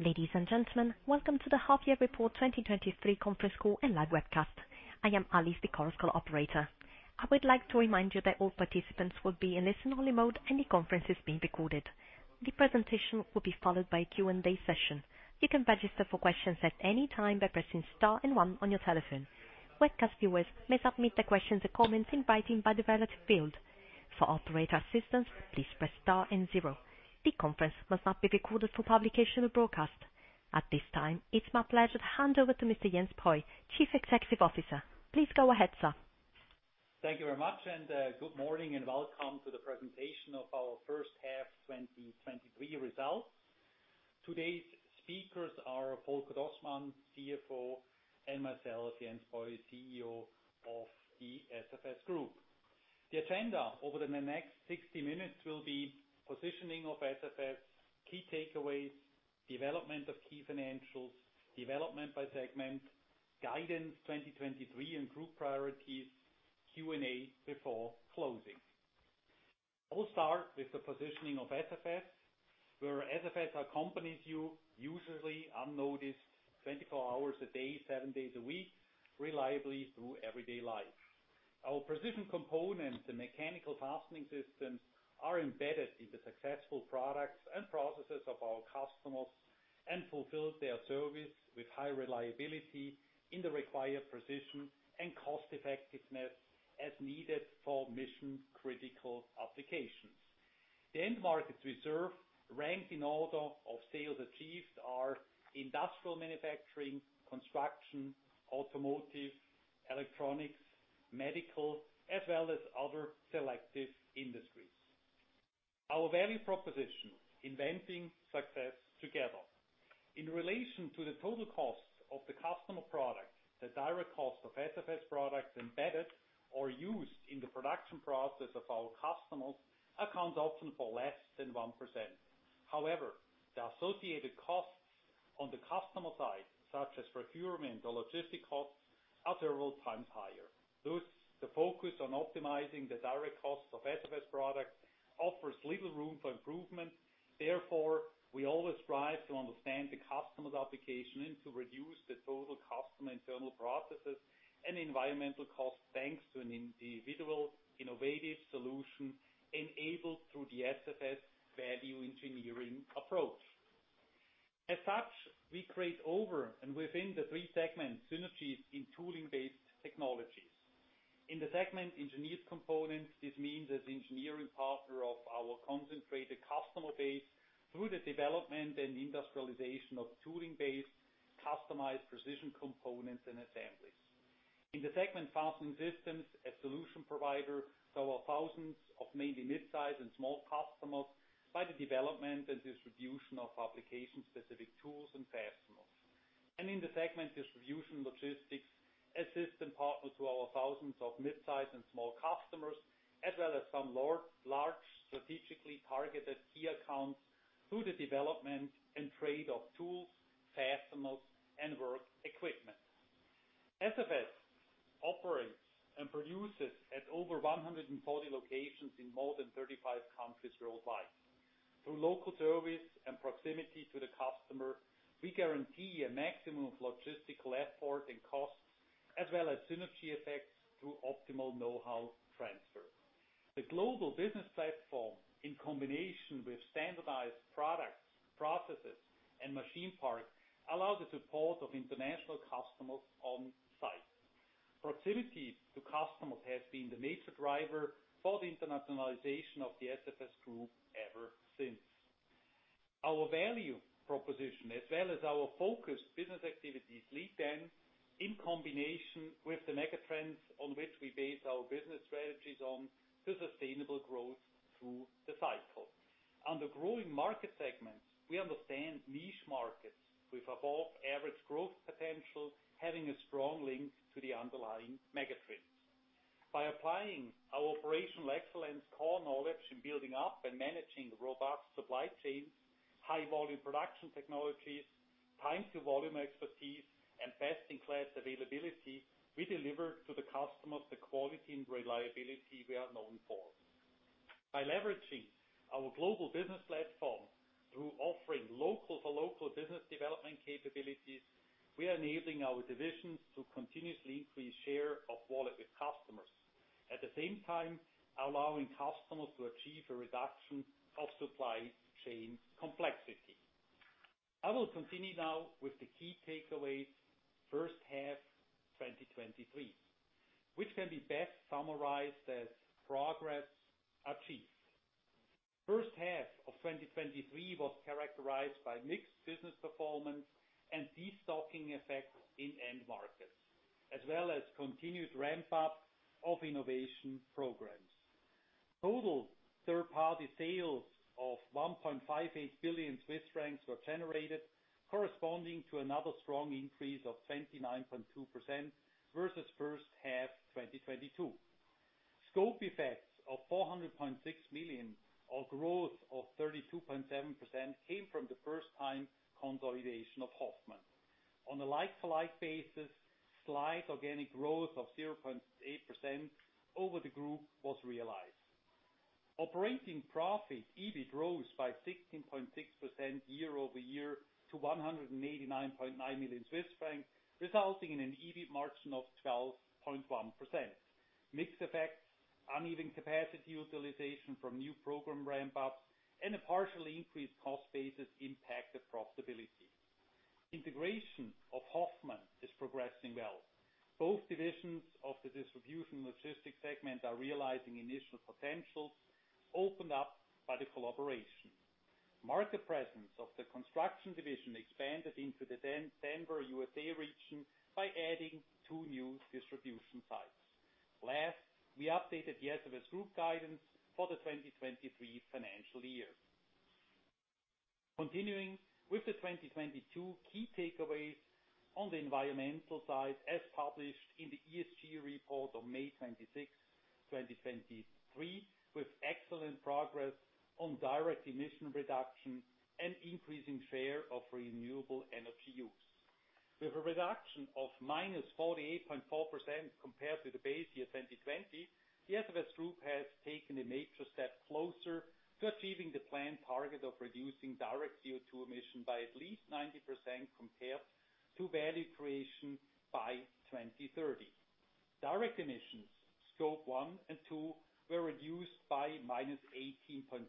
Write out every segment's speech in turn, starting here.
Ladies and gentlemen, welcome to the Half Year Report 2023 conference call and live webcast. I am Alice, the conference call operator. I would like to remind you that all participants will be in listen-only mode, and the conference is being recorded. The presentation will be followed by a Q&A session. You can register for questions at any time by pressing star one on your telephone. Webcast viewers may submit their questions and comments in writing by the relevant field. For operator assistance, please press star 0. The conference must not be recorded for publication or broadcast. At this time, it's my pleasure to hand over to Mr. Jens Breu, Chief Executive Officer. Please go ahead, sir. Thank you very much, good morning, and welcome to the presentation of our first half 2023 results. Today's speakers are Volker Dostmann, CFO, and myself, Jens Breu, CEO of the SFS Group. The agenda over the next 60 minutes will be positioning of SFS, key takeaways, development of key financials, development by segment, guidance 2023 and group priorities, Q&A before closing. I will start with the positioning of SFS, where SFS accompanies you usually unnoticed, 24 hours a day, seven days a week, reliably through everyday life. Our precision components and mechanical fastening systems are embedded in the successful products and processes of our customers, and fulfills their service with high reliability in the required precision and cost-effectiveness as needed for mission-critical applications. The end markets we serve, ranked in order of sales achieved, are industrial manufacturing, construction, automotive, electronics, medical, as well as other selective industries. Our value proposition: inventing success together. In relation to the total cost of the customer product, the direct cost of SFS products embedded or used in the production process of our customers accounts often for less than 1%. The associated costs on the customer side, such as procurement or logistic costs, are several times higher. The focus on optimizing the direct costs of SFS products offers little room for improvement. We always strive to understand the customer's application and to reduce the total customer internal processes and environmental costs, thanks to an individual innovative solution enabled through the SFS value engineering approach. We create over and within the three segments, synergies in tooling-based technologies. In the segment, Engineered Components, this means as engineering partner of our concentrated customer base through the development and industrialization of tooling-based, customized precision components and assemblies. In the segment, Fastening Systems, a solution provider to our thousands of mainly mid-size and small customers by the development and distribution of application-specific tools and fasteners. In the segment, Distribution & Logistics, a system partner to our thousands of mid-size and small customers, as well as some large, strategically targeted key accounts through the development and trade of tools, fasteners, and work equipment. SFS operates and produces at over 140 locations in more than 35 countries worldwide. Through local service and proximity to the customer, we guarantee a maximum of logistical effort and costs, as well as synergy effects through optimal know-how transfer. The global business platform, in combination with standardized products, processes, and machine parts, allow the support of international customers on site. Proximity to customers has been the major driver for the internationalization of the SFS Group ever since. Our value proposition, as well as our focused business activities, lead then, in combination with the mega trends on which we base our business strategies on, to sustainable growth through the cycle. On the growing market segments, we understand niche markets with above average growth potential, having a strong link to the underlying mega trends. By applying our operational excellence core knowledge in building up and managing robust supply chains, high volume production technologies, time to volume expertise, and best-in-class availability, we deliver to the customers the quality and reliability we are known for. By leveraging our global business platform through offering local to local business development capabilities, we are enabling our divisions to continuously increase share of wallet with customers. Allowing customers to achieve a reduction of supply chain complexity. I will continue now with the key takeaways, first half, 2023, which can be best summarized as progress achieved. First half of 2023 was characterized by mixed business performance and destocking effects in end markets, as well as continued ramp-up of innovation programs. Total third-party sales of 1.58 billion Swiss francs were generated, corresponding to another strong increase of 29.2% versus first half, 2022. Scope effects of 400.6 million, or growth of 32.7%, came from the first-time consolidation of Hoffmann. On a like-to-like basis, slight organic growth of 0.8% over the group was realized. Operating profit, EBIT, rose by 16.6% year-over-year to 189.9 million Swiss francs, resulting in an EBIT margin of 12.1%. Mixed effects, uneven capacity utilization from new program ramp-ups, and a partially increased cost base has impacted profitability. Integration of Hoffmann is progressing well. Both divisions of the Distribution & Logistics segment are realizing initial potentials opened up by the collaboration. Market presence of the Construction division expanded into the Denver, U.S.A., region by adding two new distribution sites. Last, we updated the SFS Group guidance for the 2023 financial year. Continuing with the 2022 key takeaways on the environmental side, as published in the ESG report on May 26th, 2023, with excellent progress on direct emission reduction and increasing share of renewable energy use. With a reduction of -48.4% compared to the base year 2020, the SFS Group has taken a major step closer to achieving the planned target of reducing direct CO2 emission by at least 90% compared to value creation by 2030. Direct emissions, Scope 1 and 2, were reduced by -18.7%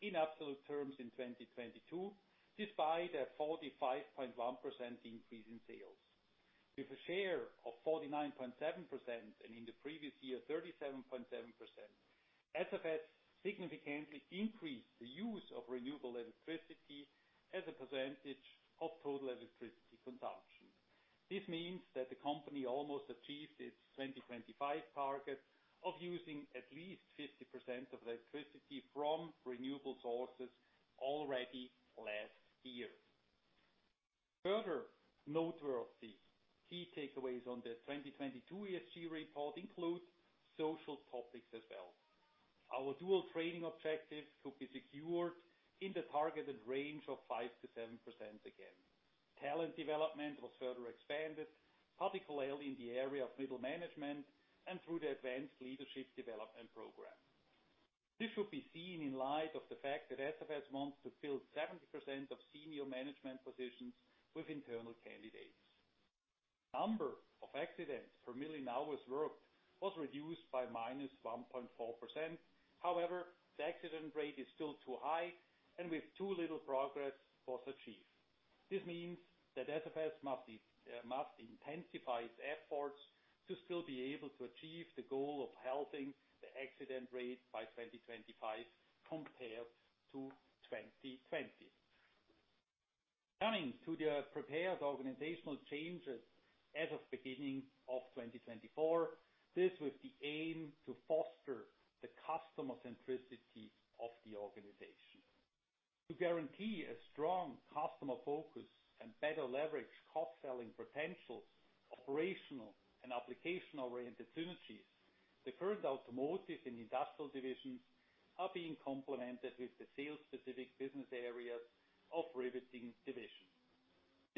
in absolute terms in 2022, despite a 45.1% increase in sales. With a share of 49.7%, and in the previous year, 37.7%, SFS significantly increased the use of renewable electricity as a percentage of total electricity consumption. This means that the company almost achieved its 2025 target of using at least 50% of electricity from renewable sources already last year. Further noteworthy key takeaways on the 2022 ESG report include social topics as well. Our dual training objective could be secured in the targeted range of 5%-7% again. Talent development was further expanded, particularly in the area of middle management and through the advanced leadership development program. This should be seen in light of the fact that SFS wants to fill 70% of senior management positions with internal candidates. Number of accidents per million hours worked was reduced by -1.4%. The accident rate is still too high, with too little progress was achieved. This means that SFS must intensify its efforts to still be able to achieve the goal of halving the accident rate by 2025 compared to 2020. Coming to the prepared organizational changes as of beginning of 2024, this with the aim to foster the customer centricity of the organization. To guarantee a strong customer focus and better leverage cross-selling potentials, operational and applicational-oriented synergies, the current automotive and industrial divisions are being complemented with the sales-specific business areas of riveting division.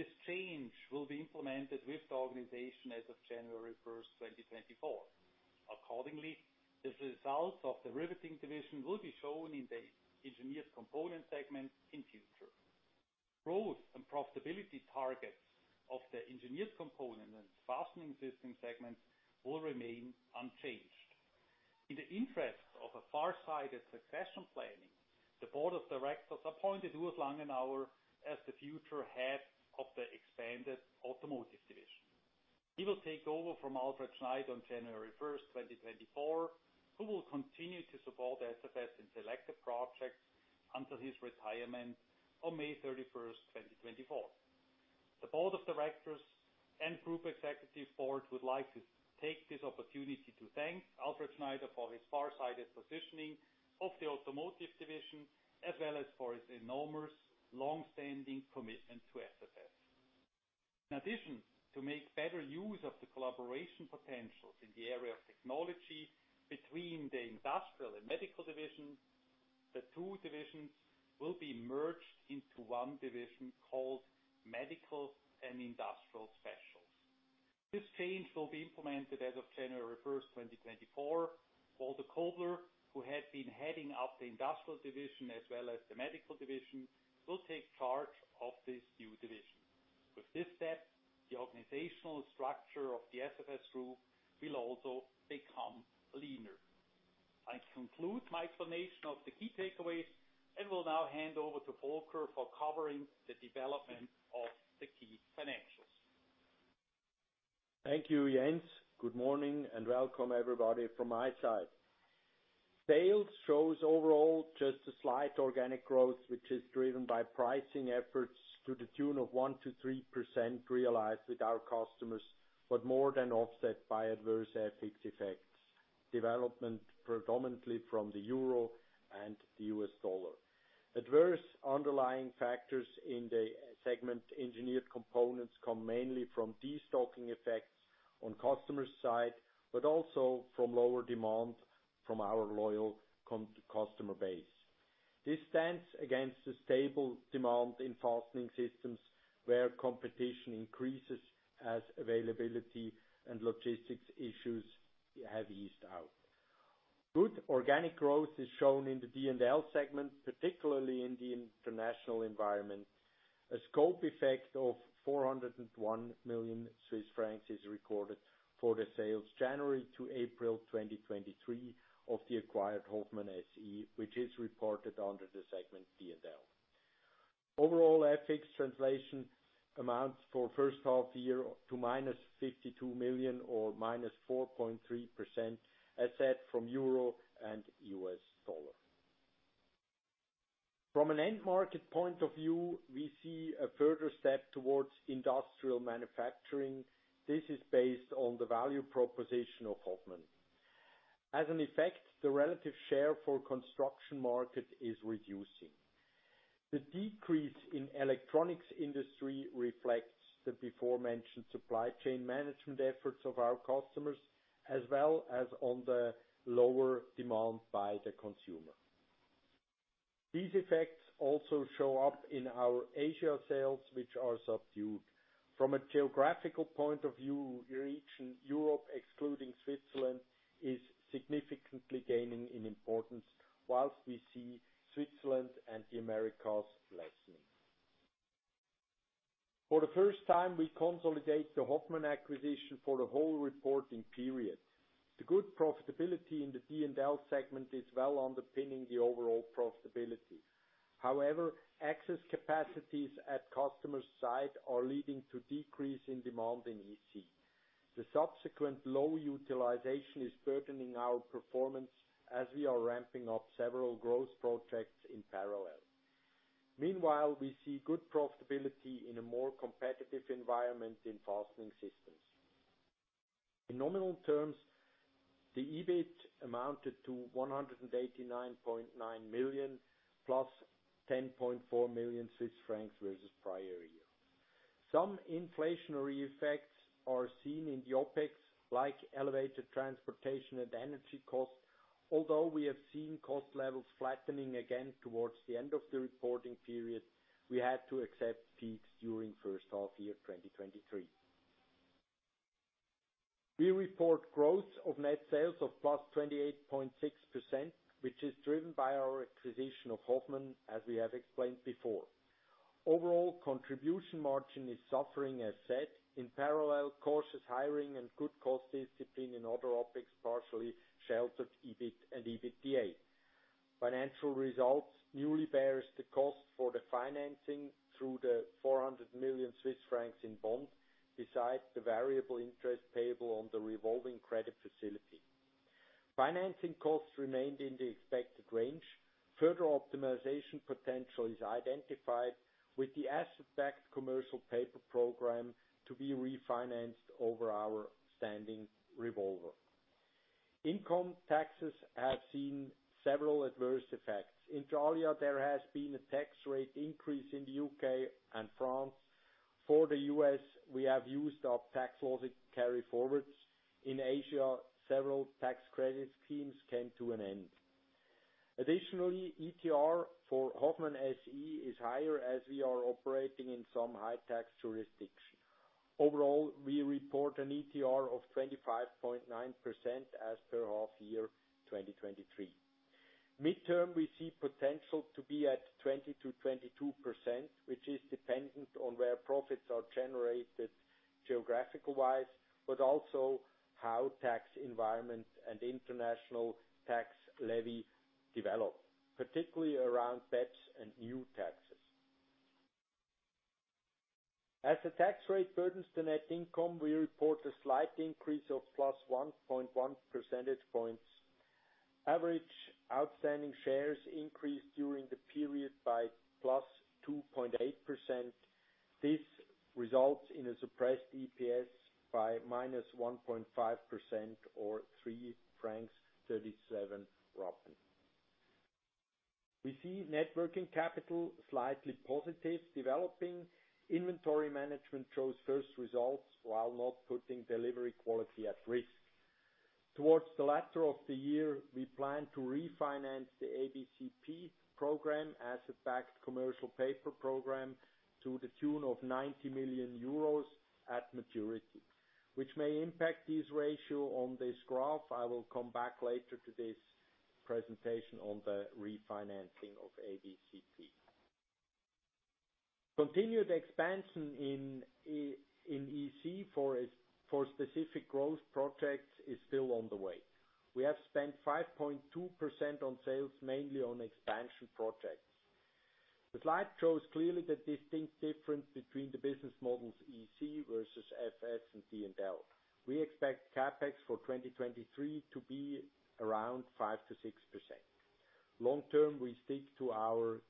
This change will be implemented with the organization as of January first, 2024. Accordingly, the results of the riveting division will be shown in the Engineered Components segment in future. Growth and profitability targets of the Engineered Components and Fastening Systems segments will remain unchanged. In the interest of a farsighted succession planning, the board of directors appointed Urs Langenauer as the future head of the expanded automotive division. He will take over from Alfred Schneider on January 1st, 2024, who will continue to support SFS in selected projects until his retirement on May 31, 2024. The board of directors and group executive board would like to take this opportunity to thank Alfred Schneider for his farsighted positioning of the automotive division, as well as for his enormous long-standing commitment to SFS. In addition, to make better use of the collaboration potentials in the area of technology between the industrial and medical division, the two divisions will be merged into one division called Medical and Industrial Specials. This change will be implemented as of January 1st, 2024. Walter Kobler, who had been heading up the industrial division as well as the medical division, will take charge of this new division. With this step, the organizational structure of the SFS Group will also become leaner. I conclude my explanation of the key takeaways, and will now hand over to Volker for covering the development of the key financials. Thank you, Jens. Good morning, and welcome, everybody, from my side. Sales shows overall just a slight organic growth, which is driven by pricing efforts to the tune of 1%-3% realized with our customers, but more than offset by adverse FX effects, development predominantly from the euro and the US dollar. Adverse underlying factors in the segment Engineered Components come mainly from destocking effects on customer side, but also from lower demand from our loyal customer base. This stands against the stable demand in Fastening Systems, where competition increases as availability and logistics issues have eased out. Good organic growth is shown in the D&L segment, particularly in the international environment. A scope effect of 401 million Swiss francs is recorded for the sales January to April 2023 of the acquired Hoffmann SE, which is reported under the segment D&L. Overall, FX translation amounts for first half-year to minus 52 million, or -4.3%, as said, from the euro and the US dollar. From an end market point of view, we see a further step towards industrial manufacturing. This is based on the value proposition of Hoffmann. As an effect, the relative share for construction market is reducing. The decrease in electronics industry reflects the beforementioned supply chain management efforts of our customers, as well as on the lower demand by the consumer. These effects also show up in our Asia sales, which are subdued. From a geographical point of view, region Europe, excluding Switzerland, is significantly gaining in importance, whilst we see Switzerland and the Americas lessening. For the first time, we consolidate the Hoffmann acquisition for the whole reporting period. The good profitability in the D&L segment is well underpinning the overall profitability. Excess capacities at customer side are leading to decrease in demand in EC. The subsequent low utilization is burdening our performance as we are ramping up several growth projects in parallel. Meanwhile, we see good profitability in a more competitive environment in Fastening Systems. In nominal terms, the EBIT amounted to 189.9 million, +10.4 million Swiss francs versus prior year. Some inflationary effects are seen in the OPEX, like elevated transportation and energy costs. Although we have seen cost levels flattening again towards the end of the reporting period, we had to accept peaks during first half year, 2023. We report growth of net sales of +28.6%, which is driven by our acquisition of Hoffmann, as we have explained before. Overall, contribution margin is suffering, as said. In parallel, cautious hiring and good cost discipline in other OPEX partially sheltered EBIT and EBITDA. Financial results newly bears the cost for the financing through the 400 million Swiss francs in bond, besides the variable interest payable on the revolving credit facility. Financing costs remained in the expected range. Further optimization potential is identified with the Asset-Backed Commercial Paper program to be refinanced over our standing revolver. Income taxes have seen several adverse effects. In general, there has been a tax rate increase in the U.K. and France. For the U.S., we have used our tax loss carryforwards. In Asia, several tax credit schemes came to an end. Additionally, ETR for Hoffmann SE is higher, as we are operating in some high-tax jurisdictions. Overall, we report an ETR of 25.9% as per half year 2023. Mid-term, we see potential to be at 20%-22%, which is dependent on where profits are generated geographical-wise, but also how tax environment and international tax levy develop, particularly around BEPS and new taxes. As the tax rate burdens the net income, we report a slight increase of +1.1 percentage points. Average outstanding shares increased during the period by +2.8%. This results in a suppressed EPS by -1.5%, or CHF 3.37. We see net working capital slightly positive, developing. Inventory management shows first results while not putting delivery quality at risk. Towards the latter of the year, we plan to refinance the ABCP program, Asset-Backed Commercial Paper program, to the tune of 90 million euros at maturity, which may impact this ratio on this graph. I will come back later to this presentation on the refinancing of ABCP. Continued expansion in EC for specific growth projects is still on the way. We have spent 5.2% on sales, mainly on expansion projects. The slide shows clearly the distinct difference between the business models EC versus FS and D&L. We expect CapEx for 2023 to be around 5%-6%. Long term, we stick to our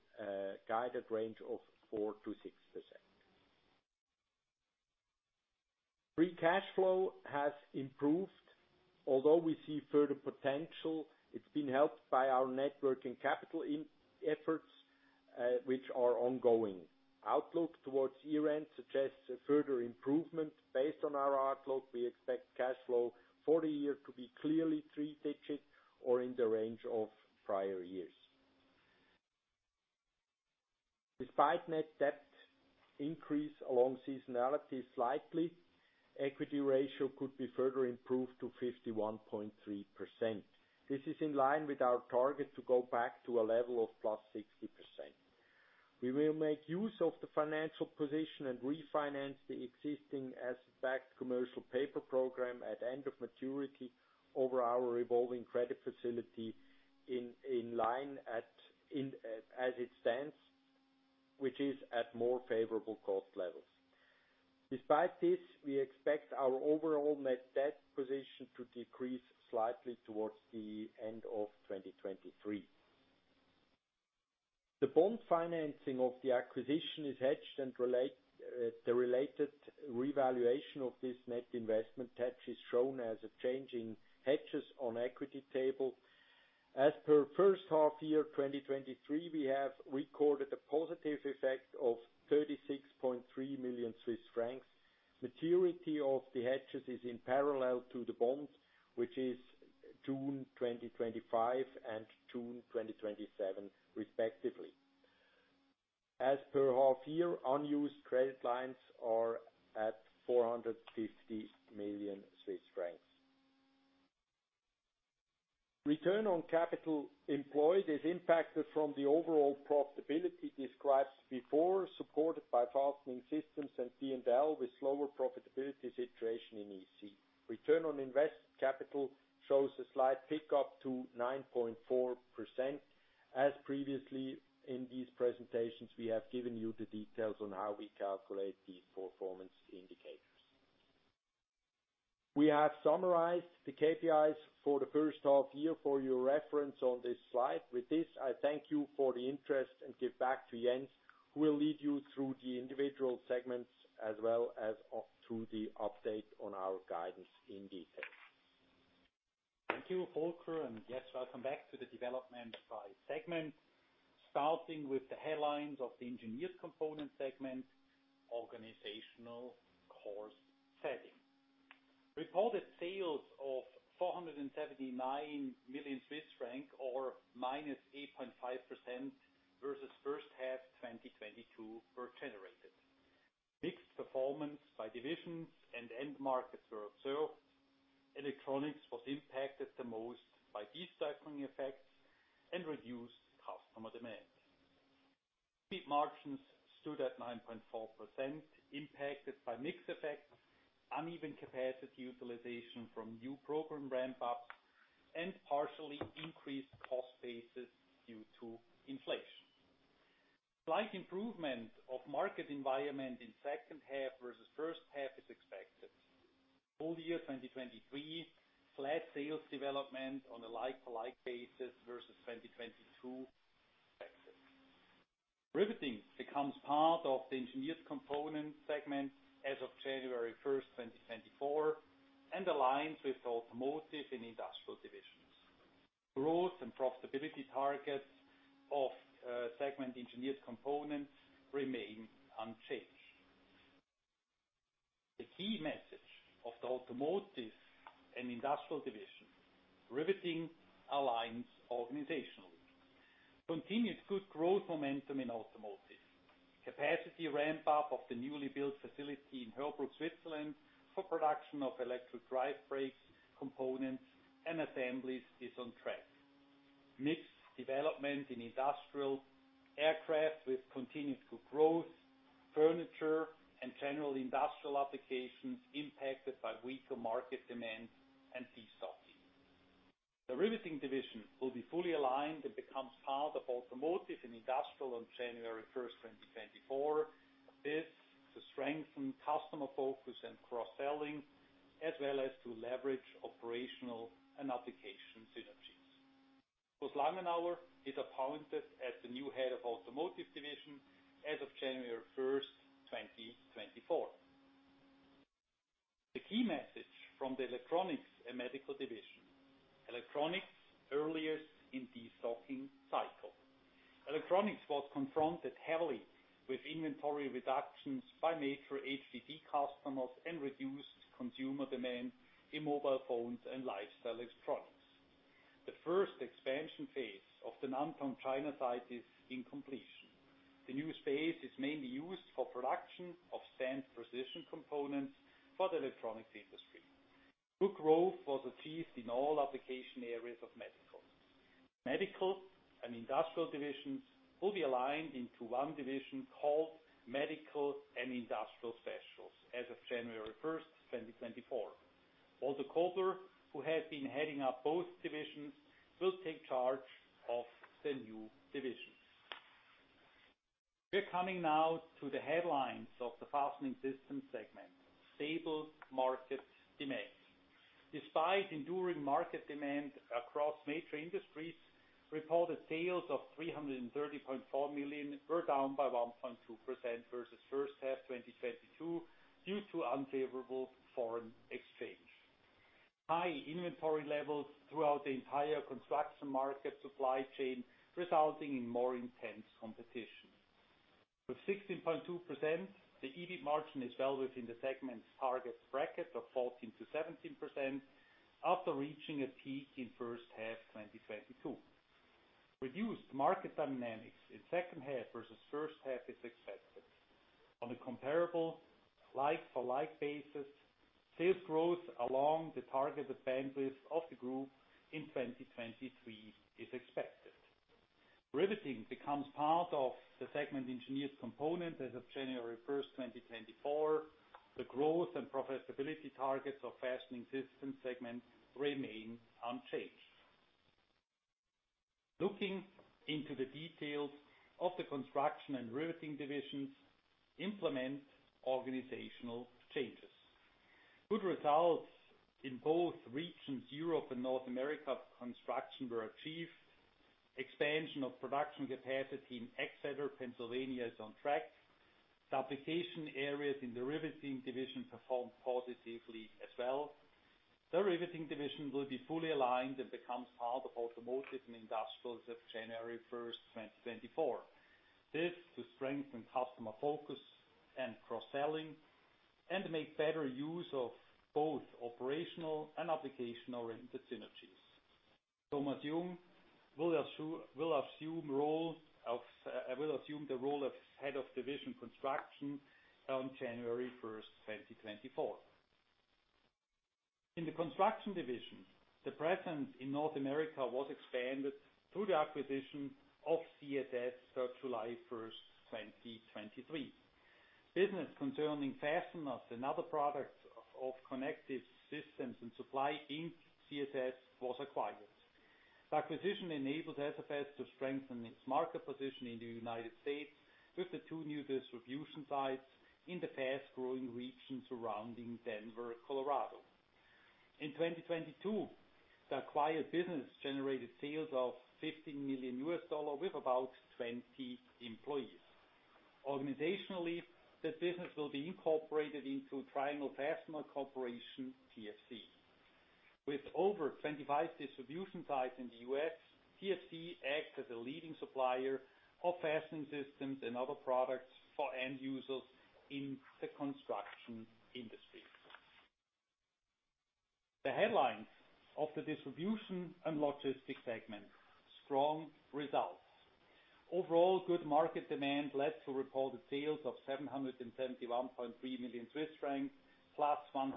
guided range of 4%-6%. Free cash flow has improved, although we see further potential. It's been helped by our net working capital efforts, which are ongoing. Outlook towards year-end suggests a further improvement. Based on our outlook, we expect cash flow for the year to be clearly three-digit or in the range of prior years. Despite net debt increase along seasonality slightly, equity ratio could be further improved to 51.3%. This is in line with our target to go back to a level of +60%. We will make use of the financial position and refinance the existing Asset-Backed Commercial Paper program at end of maturity over our revolving credit facility as it stands, which is at more favorable cost levels. Despite this, we expect our overall net debt position to decrease slightly towards the end of 2023. The bond financing of the acquisition is hedged and the related revaluation of this net investment hedge is shown as a change in hedges on equity table. As per first half year, 2023, we have recorded a positive effect of 36.3 million Swiss francs. Maturity of the hedges is in parallel to the bonds, which is June 2025 and June 2027, respectively. As per half year, unused credit lines are at 450 million Swiss francs. Return on capital employed is impacted from the overall profitability described before, supported by Fastening Systems and D&L, with slower profitability situation in EC. Return on invested capital shows a slight pick-up to 9.4%. As previously in these presentations, we have given you the details on how we calculate these performance indicators. We have summarized the KPIs for the first half year for your reference on this slide. With this, I thank you for the interest, and give back to Jens, who will lead you through the individual segments as well as through the update on our guidance in detail. Thank you, Volker. Yes, welcome back to the development by segment. Starting with the headlines of the Engineered Components segment, organizational course setting. Reported sales of 479 million Swiss francs, or -8.5%, versus first half 2022 were generated. Mixed performance by divisions and end markets were observed. Electronics was impacted the most by destocking effects and reduced customer demand. EBIT margins stood at 9.4%, impacted by mix effects, uneven capacity utilization from new program ramp-ups, and partially increased cost bases due to inflation. Slight improvement of market environment in second half versus first half is expected. Full year 2023, flat sales development on a like-to-like basis versus 2022 expected. Riveting becomes part of the Engineered Components segment as of January 1st, 2024, aligns with Automotive and Industrial divisions. Growth and profitability targets of segment Engineered Components remain unchanged. The key message of the Automotive and Industrial division, riveting aligns organizationally. Continued good growth momentum in Automotive. Capacity ramp-up of the newly built facility in Heerbrugg, Switzerland, for production of electric drive brakes, components, and assemblies is on track. Mixed development in Industrial Aircraft, with continued good growth, furniture, and general industrial applications impacted by weaker market demand and destocking. The Riveting division will be fully aligned and becomes part of Automotive and Industrial on January 1st, 2024. This to strengthen customer focus and cross-selling, as well as to leverage operational and application synergies. Urs Langenauer is appointed as the new Head of Automotive Division as of January 1st, 2024. The key message from the Electronics and Medical division, Electronics earliest in destocking cycle. Electronics was confronted heavily with inventory reductions by major HDD customers and reduced consumer demand in mobile phones and lifestyle electronics. The first expansion phase of the Nantong, China, site is in completion. The new space is mainly used for production of stamped precision components for the electronics industry. Good growth was achieved in all application areas of Medical. Medical and Industrial divisions will be aligned into one division called Medical and Industrial Specials as of January 1st, 2024. Walter Kobler, who has been heading up both divisions, will take charge of the new divisions. We're coming now to the headlines of the Fastening Systems segment: Stable market demand. Despite enduring market demand across major industries, reported sales of 330.4 million were down by 1.2% versus first half 2022, due to unfavorable foreign exchange. High inventory levels throughout the entire construction market supply chain, resulting in more intense competition. With 16.2%, the EBIT margin is well within the segment's target bracket of 14%-17%, after reaching a peak in first half 2022. Reduced market dynamics in second half versus first half is expected. On a comparable, like-for-like basis, sales growth along the targeted bandwidth of the group in 2023 is expected. Riveting becomes part of the segment Engineered Components as of January 1st, 2024. The growth and profitability targets of Fastening Systems segment remain unchanged. Looking into the details of the construction and riveting divisions, implement organizational changes. Good results in both regions, Europe and North America, construction were achieved. Expansion of production capacity in Exeter, Pennsylvania, is on track. Duplication areas in the riveting division performed positively as well. The riveting division will be fully aligned and becomes part of automotive and industrial as of January 1st, 2024. This to strengthen customer focus and cross-selling, and make better use of both operational and application-oriented synergies. Thomas Jung will assume the role of Head of Division Construction on January 1st, 2024. In the construction division, the presence in North America was expanded through the acquisition of SFS, start July 1st, 2023. Business concerning fasteners and other products of Connective Systems & Supply in CSS was acquired. The acquisition enables SFS to strengthen its market position in the United States with the two new distribution sites in the fast-growing region surrounding Denver, Colorado. In 2022, the acquired business generated sales of $15 million, with about 20 employees. Organizationally, this business will be incorporated into Triangle Fastener Corporation, TFC. With over 25 distribution sites in the U.S., TFC acts as a leading supplier of fastening systems and other products for end users in the construction industry. The headlines of the Distribution & Logistics segment, strong results. Overall, good market demand led to reported sales of 771.3 million Swiss francs, +110.9%,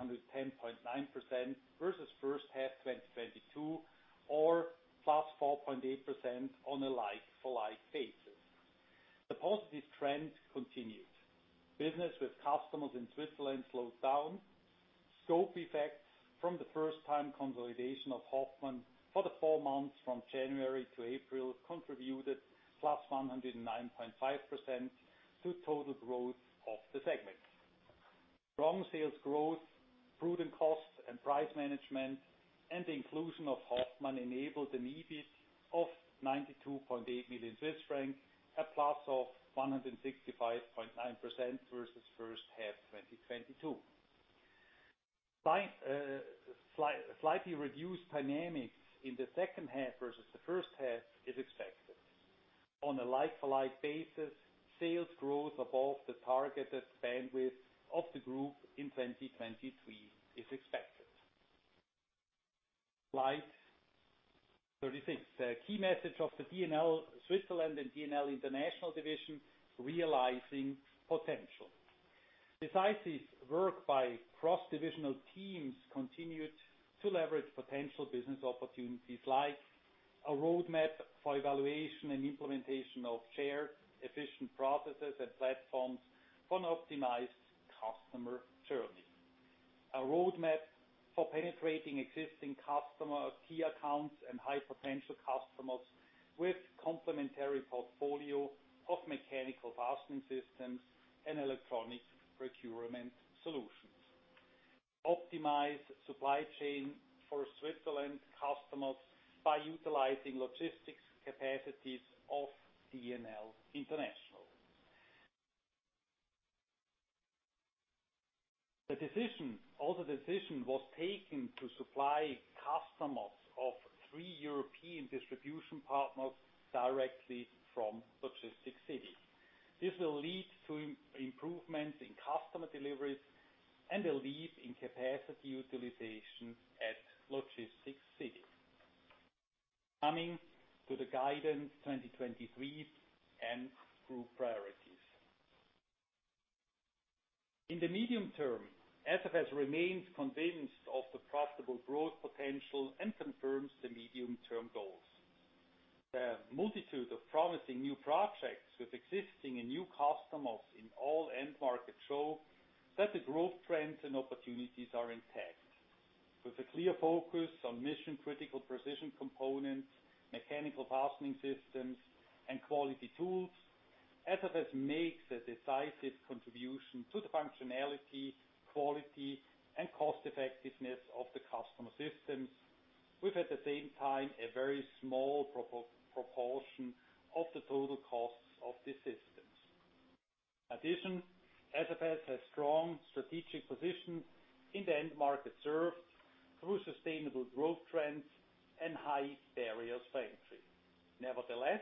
versus first half 2022, or +4.8% on a like-for-like basis. The positive trend continued. Business with customers in Switzerland slowed down. Scope effects from the first time consolidation of Hoffmann for the four months from January to April, contributed +109.5% to total growth of the segment. Strong sales growth, prudent cost and price management, and the inclusion of Hoffmann enabled an EBIT of 92.8 million Swiss francs, a plus of 165.9% versus first half 2022. Slightly reduced dynamics in the second half versus the first half is expected. On a like-for-like basis, sales growth above the targeted bandwidth of the group in 2023 is expected. Slide 36. The key message of the D&L Switzerland and D&L International division, realizing potential. Decisive work by cross-divisional teams continued to leverage potential business opportunities, like a roadmap for evaluation and implementation of shared, efficient processes and platforms for an optimized customer journey. A roadmap for penetrating existing customer, key accounts, and high-potential customers, with complementary portfolio of mechanical fastening systems and electronic procurement solutions. Optimize supply chain for Switzerland customers by utilizing logistics capacities of D&L International. The decision was taken to supply customers of three European distribution partners directly from Logistics City. This will lead to improvements in customer deliveries and a leap in capacity utilization at Logistics City. Coming to the guidance 2023 and group priorities. In the medium term, SFS remains convinced of the profitable growth potential and confirms the medium-term goals. The multitude of promising new projects with existing and new customers in all end markets show that the growth trends and opportunities are intact. With a clear focus on mission-critical precision components, mechanical fastening systems, and quality tools, SFS makes a decisive contribution to the functionality, quality, and cost effectiveness of the customer systems, with, at the same time, a very small proportion of the total costs of the system.... Addition, SFS has strong strategic position in the end market served through sustainable growth trends and high barriers to entry. Nevertheless,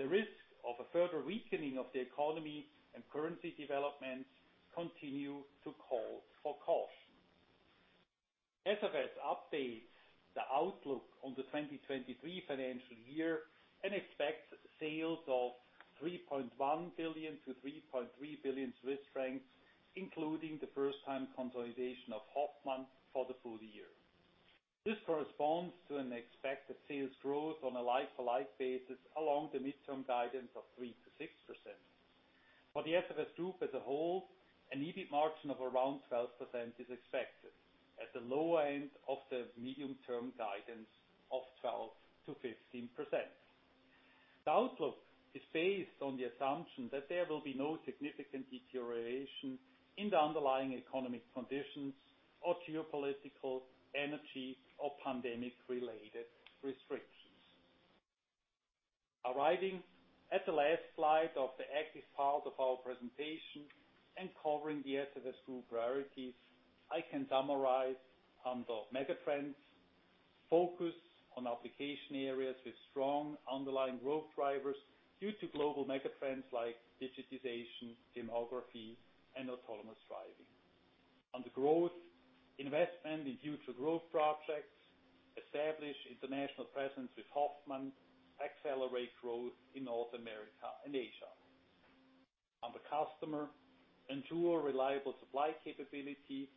the risk of a further weakening of the economy and currency developments continue to call for caution. SFS updates the outlook on the 2023 financial year and expects sales of 3.1 billion-3.3 billion Swiss francs, including the first time consolidation of Hoffmann for the full year. This corresponds to an expected sales growth on a like-for-like basis, along the midterm guidance of 3%-6%. For the SFS Group as a whole, an EBIT margin of around 12% is expected, at the lower end of the medium-term guidance of 12%-15%. The outlook is based on the assumption that there will be no significant deterioration in the underlying economic conditions or geopolitical, energy, or pandemic-related restrictions. Arriving at the last slide of the active part of our presentation and covering the SFS Group priorities, I can summarize on the megatrends, focus on application areas with strong underlying growth drivers due to global megatrends like digitization, demography, and autonomous driving. On the growth, investment in future growth projects, establish international presence with Hoffmann, accelerate growth in North America and Asia. On the customer, ensure reliable supply capability,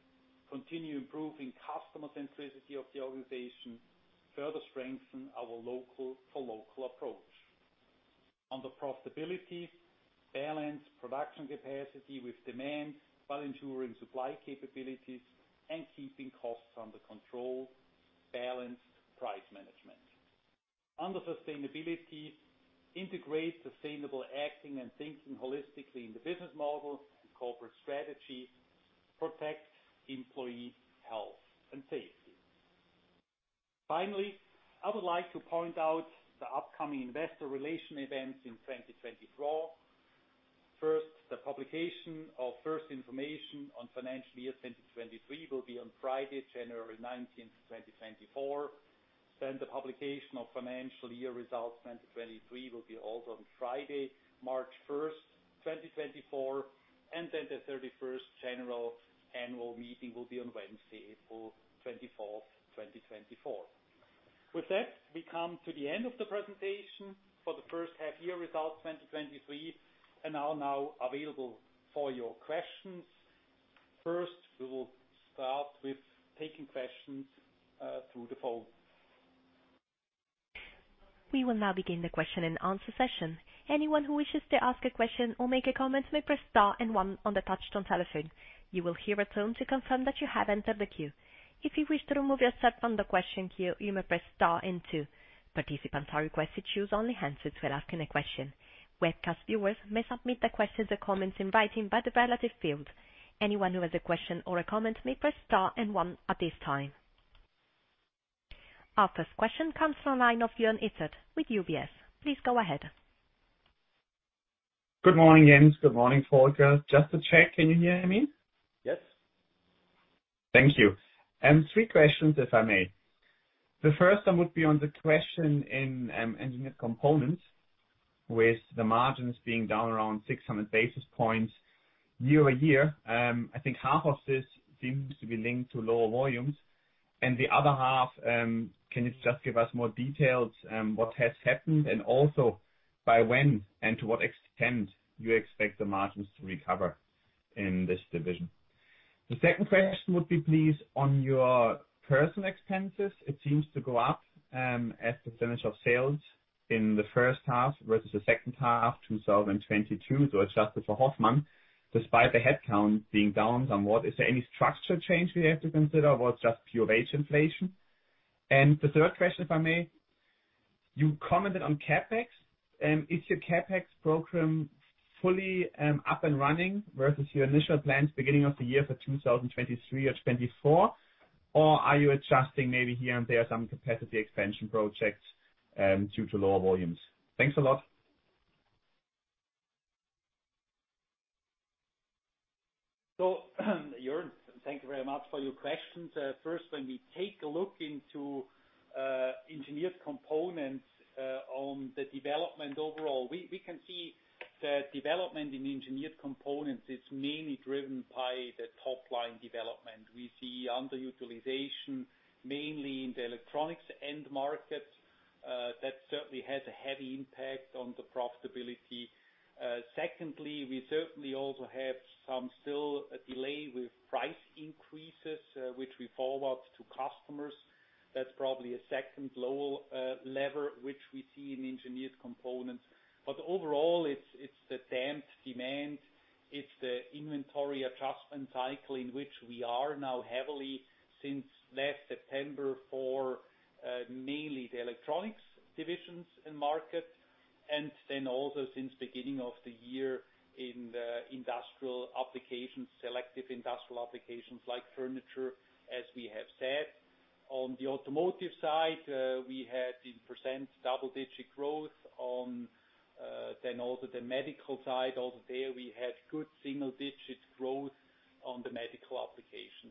continue improving customer centricity of the organization, further strengthen our local-for-local approach. On the profitability, balance production capacity with demand while ensuring supply capabilities and keeping costs under control, balanced price management. Under sustainability, integrate sustainable acting and thinking holistically in the business model and corporate strategy, protect employee health and safety. Finally, I would like to point out the upcoming investor relation events in 2024. The publication of first information on financial year 2023 will be on Friday, January 19th, 2024. The publication of financial year results 2023 will be also on Friday, March 1st, 2024. The 31st general annual meeting will be on Wednesday, April 24th, 2024. With that, we come to the end of the presentation for the first half year results, 2023, and are now available for your questions. We will start with taking questions through the phone. We will now begin the question-and-answer session. Anyone who wishes to ask a question or make a comment may press star and one on the touch-tone telephone. You will hear a tone to confirm that you have entered the queue. If you wish to remove yourself from the question queue, you may press star and two. Participants are requested to use only hands-free when asking a question. Webcast viewers may submit their questions or comments in writing by the relative field. Anyone who has a question or a comment may press star and one at this time. Our first question comes from the line of Joern Iffert with UBS. Please go ahead. Good morning, Jens. Good morning, Volker. Just to check, can you hear me? Yes. Thank you. Three questions, if I may. The first one would be on the question in Engineered Components, with the margins being down around 600 basis points year-over-year. I think half of this seems to be linked to lower volumes, and the other half, can you just give us more details on what has happened, and also by when and to what extent you expect the margins to recover in this division? The second question would be, please, on your personal expenses. It seems to go up as a percentage of sales in the first half versus the second half, 2022, so adjusted for Hoffmann. Despite the headcount being down somewhat, is there any structure change we have to consider, or it's just pure wage inflation? The third question, if I may. You commented on CapEx, is your CapEx program fully up and running versus your initial plans beginning of the year for 2023 or 2024? Or are you adjusting maybe here and there some capacity expansion projects due to lower volumes? Thanks a lot. Joern, thank you very much for your questions. First, when we take a look into Engineered Components, on the development overall, we can see the development in Engineered Components is mainly driven by the top line development. We see underutilization, mainly in the electronics end market, that certainly has a heavy impact on the profitability. Secondly, we certainly also have some still a delay with price increases, which we forward to customers. That's probably a second lower lever, which we see in Engineered Components. Overall, it's the damped demand, it's the inventory adjustment cycle in which we are now heavily since last September for mainly the electronics divisions and market, and then also since beginning of the year in the industrial applications, selective industrial applications like furniture, as we have said. On the automotive side, we had in percent double-digit growth on then also the medical side. Also there, we had good single-digit growth on the medical application.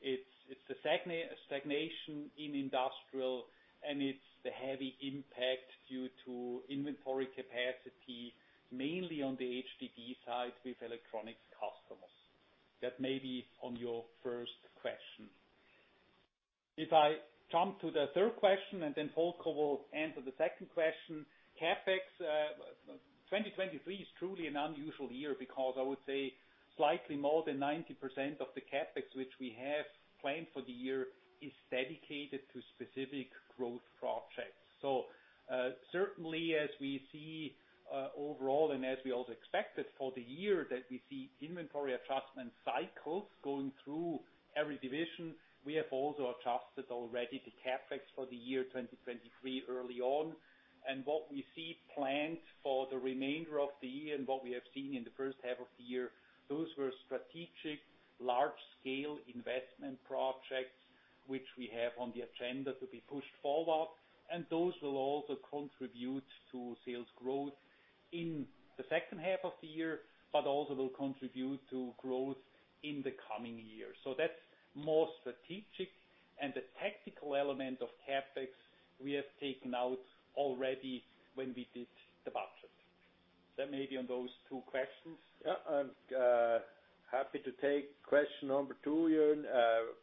It's, it's a stagnation in industrial, and it's the heavy impact due to inventory capacity, mainly on the HDD side with electronics customers. That may be on your first question. If I jump to the third question, and then Volker will answer the second question. CapEx, 2023 is truly an unusual year because I would say slightly more than 90% of the CapEx, which we have planned for the year, is dedicated to specific growth projects. Certainly, as we see, overall, and as we also expected for the year, that we see inventory adjustment cycles going through every division, we have also adjusted already the CapEx for the year 2023 early on. What we see planned for the remainder of the year and what we have seen in the first half of the year, those were strategic, large-scale investment projects, which we have on the agenda to be pushed forward, and those will also contribute to sales growth in the second half of the year, but also will contribute to growth in the coming years. That's more strategic, and the tactical element of CapEx, we have taken out already when we did the budget. That may be on those two questions. I'm happy to take question number two, Joern.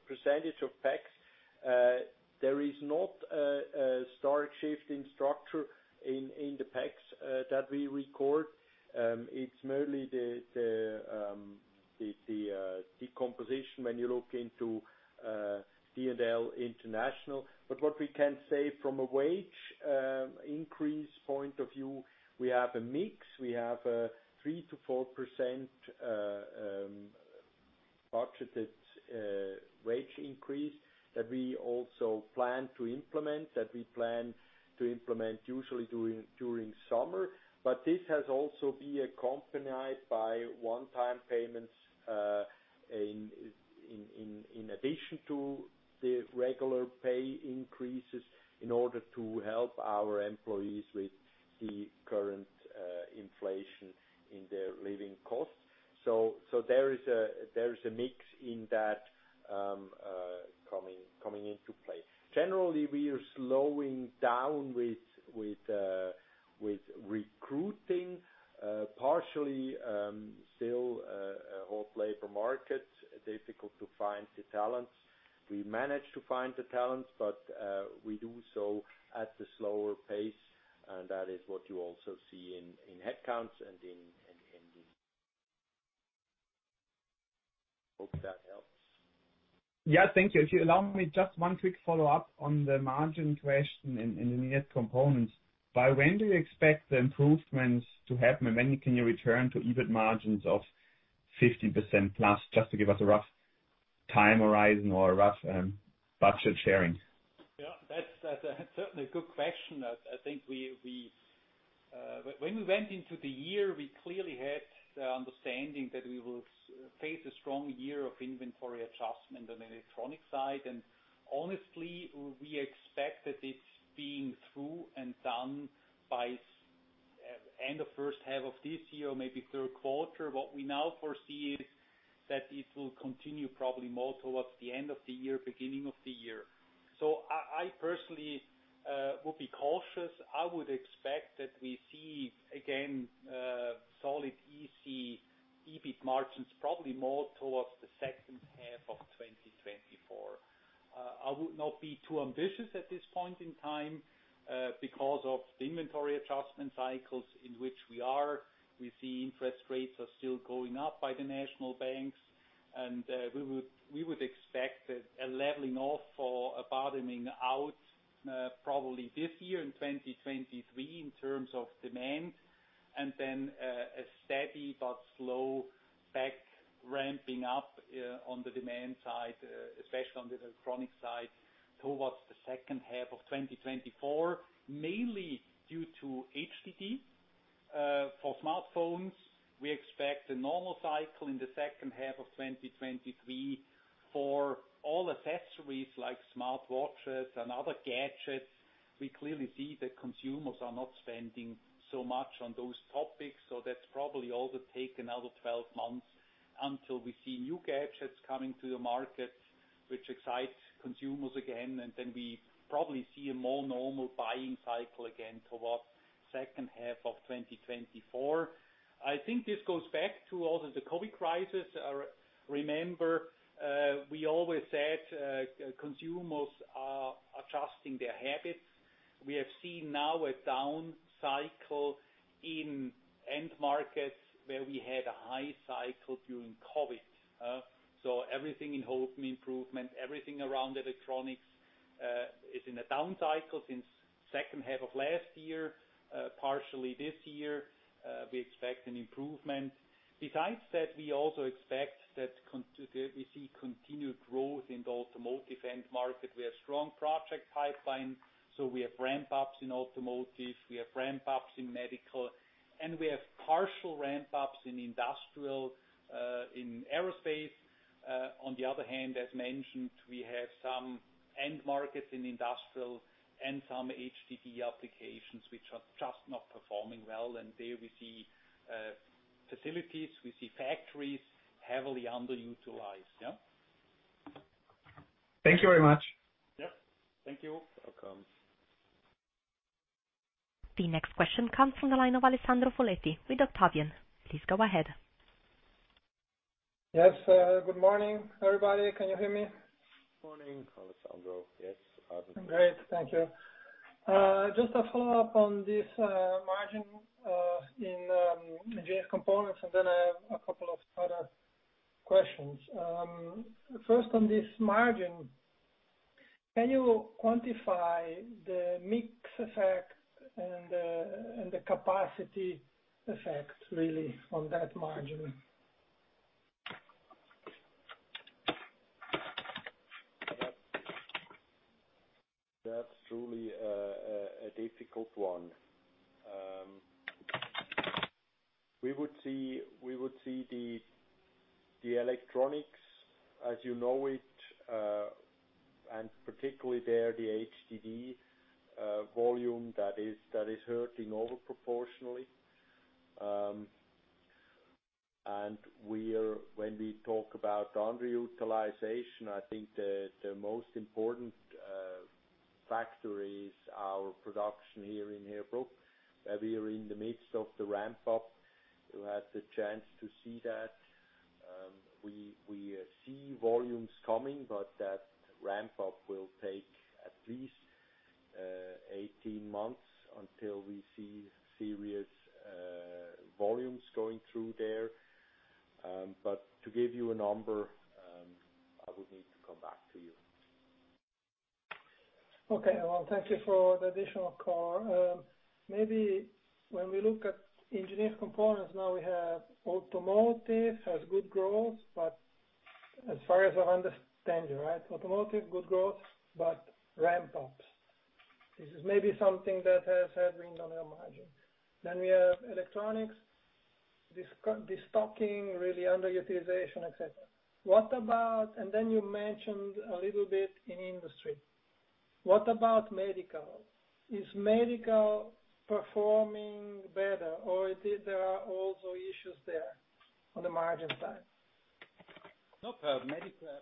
Percentage of PPAs. There is not a stark shift in structure in the PPAs that we record. It's merely the decomposition when you look into D&L International. What we can say from a wage increase point of view, we have a mix. We have a 3%-4% budgeted wage increase that we also plan to implement, that we plan to implement usually during summer. This has also be accompanied by one-time payments, in addition to the regular pay increases in order to help our employees with the current inflation in their living costs. There is a mix in that coming into play. Generally, we are slowing down with recruiting, partially, still a whole labor market, difficult to find the talents. We manage to find the talents, but we do so at a slower pace, and that is what you also see in headcounts and in Hope that helps. Yeah, thank you. If you allow me just one quick follow-up on the margin question in the net components. By when do you expect the improvements to happen, and when can you return to EBIT margins of 50% plus, just to give us a rough time horizon or a rough budget sharing? Yeah, that's certainly a good question. I think we when we went into the year, we clearly had the understanding that we will face a strong year of inventory adjustment on the electronic side. Honestly, we expect that it's being through and done by end of first half of this year, maybe third quarter. What we now foresee is that it will continue probably more towards the end of the year, beginning of the year. I personally will be cautious. I would expect that we see, again, solid EC, EBIT margins, probably more towards the second half of 2024. I would not be too ambitious at this point in time because of the inventory adjustment cycles in which we are. We see interest rates are still going up by the national banks. We would expect a leveling off or a bottoming out probably this year in 2023 in terms of demand, then a steady but slow back ramping up on the demand side, especially on the electronic side, towards the second half of 2024, mainly due to HDD. For smartphones, we expect a normal cycle in the second half of 2023. For all accessories, like smartwatches and other gadgets, we clearly see that consumers are not spending so much on those topics. That's probably also take another 12 months until we see new gadgets coming to the market, which excites consumers again. We probably see a more normal buying cycle again towards second half of 2024. I think this goes back to also the COVID crisis. Remember, we always said, consumers are adjusting their habits. We have seen now a down cycle in end markets where we had a high cycle during COVID. Everything in home improvement, everything around electronics, is in a down cycle since second half of last year, partially this year, we expect an improvement. Besides that, we also expect that we see continued growth in the automotive end market. We have strong project pipeline, so we have ramp-ups in automotive, we have ramp-ups in medical, and we have partial ramp-ups in industrial, in aerospace. On the other hand, as mentioned, we have some end markets in industrial and some HDD applications which are just not performing well, and there we see facilities, we see factories heavily underutilized, yeah. Thank you very much. Yep. Thank you. Welcome. The next question comes from the line of Alessandro Foletti with Octavian. Please go ahead. Yes, good morning, everybody. Can you hear me? Morning, Alessandro. Yes. Great, thank you. Just a follow-up on this margin in Engineered Components, and then I have a couple of other questions. First, on this margin, can you quantify the mix effect and the capacity effect, really, on that margin? That's truly a difficult one. We would see the electronics as you know it, and particularly there, the HDD volume that is hurting over proportionally. When we talk about underutilization, I think the most important factor is our production here in Heerbrugg. We are in the midst of the ramp-up. You had the chance to see that. We see volumes coming, but that ramp-up will take at least 18 months until we see serious volumes going through there. To give you a number, I would need to come back to you. Thank you for the additional call. Maybe when we look at Engineered Components, now, we have Automotive has good growth, but as far as I understand, right, Automotive, good growth, but ramp-ups. This is maybe something that had been on your margin. We have electronics, this de-stocking, really underutilization, et cetera. What about? You mentioned a little bit in Industrial. What about Medical? Is Medical performing better, or are there also issues there on the margin side? No,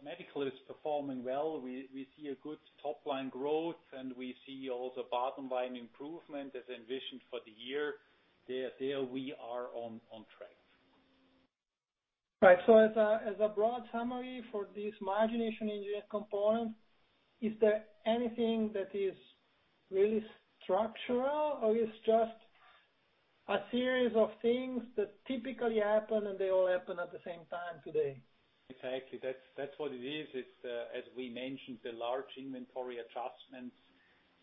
medical is performing well. We see a good top-line growth, and we see also bottom-line improvement as envisioned for the year. There we are on track. Right. As a broad summary for this margination Engineered Components, is there anything that is really structural, or it's just a series of things that typically happen, and they all happen at the same time today? Exactly. That's what it is. It's as we mentioned, the large inventory adjustments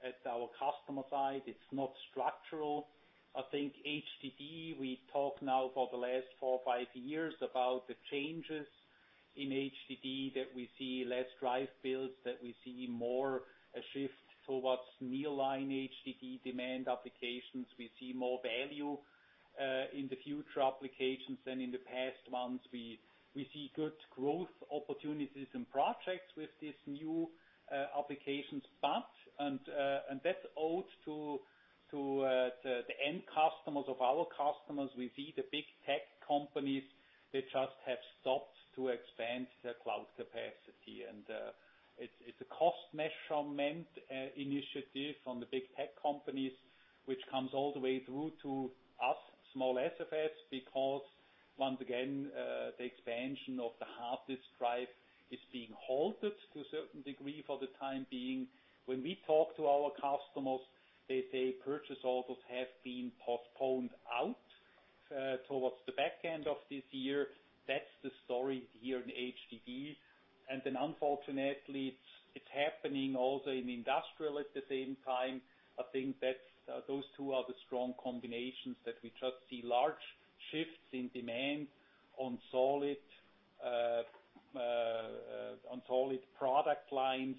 at our customer side, it's not structural. I think HDD, we talk now for the last four or five years about the changes in HDD, that we see less drive builds, that we see more a shift towards nearline HDD demand applications. We see more value in the future applications than in the past months. We see good growth opportunities and projects with these new applications path, and that's owed to the end customers of our customers. We see the big tech companies, they just have stopped to expand their cloud capacity, and it's a cost measurement initiative from the big tech companies, which comes all the way through to us, small SFS. Because once again, the expansion of the Hard Disk Drive is being halted to a certain degree for the time being. When we talk to our customers, they say purchase orders have been postponed out towards the back end of this year. That's the story here in HDD. Unfortunately, it's happening also in industrial at the same time. I think those two are the strong combinations that we just see large shifts in demand on solid product lines,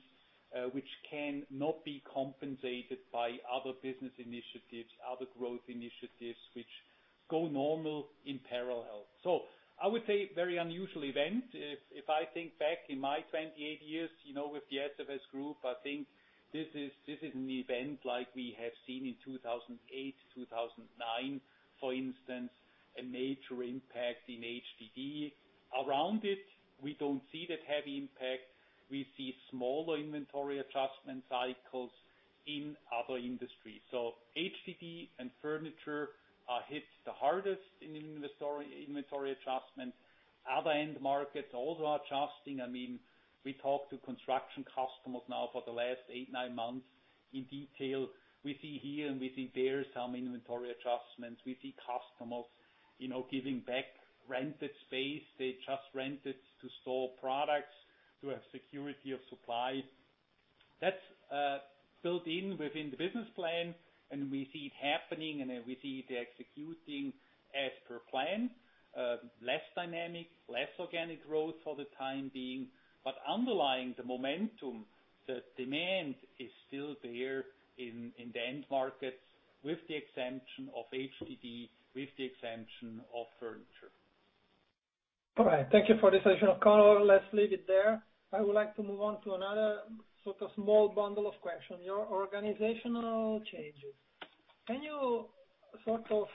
which can not be compensated by other business initiatives, other growth initiatives which go normal in parallel. I would say very unusual event. If I think back in my 28 years, you know, with the SFS Group, I think this is, this is an event like we have seen in 2008, 2009, for instance, a major impact in HDD. Around it, we don't see that heavy impact. We see smaller inventory adjustment cycles in other industries. HDD and furniture are hit the hardest in inventory adjustments. Other end markets also are adjusting. I mean, we talk to construction customers now for the last eight, nine months in detail. We see here and we see there some inventory adjustments. We see customers, you know, giving back rented space they just rented to store products, to have security of supply. That's built in within the business plan, and we see it happening, and then we see it executing as per plan. Less dynamic, less organic growth for the time being. Underlying the momentum, the demand is still there in the end markets, with the exemption of HDD, with the exemption of furniture. All right. Thank you for the session of call. Let's leave it there. I would like to move on to another sort of small bundle of questions. Your organizational changes. Can you sort of,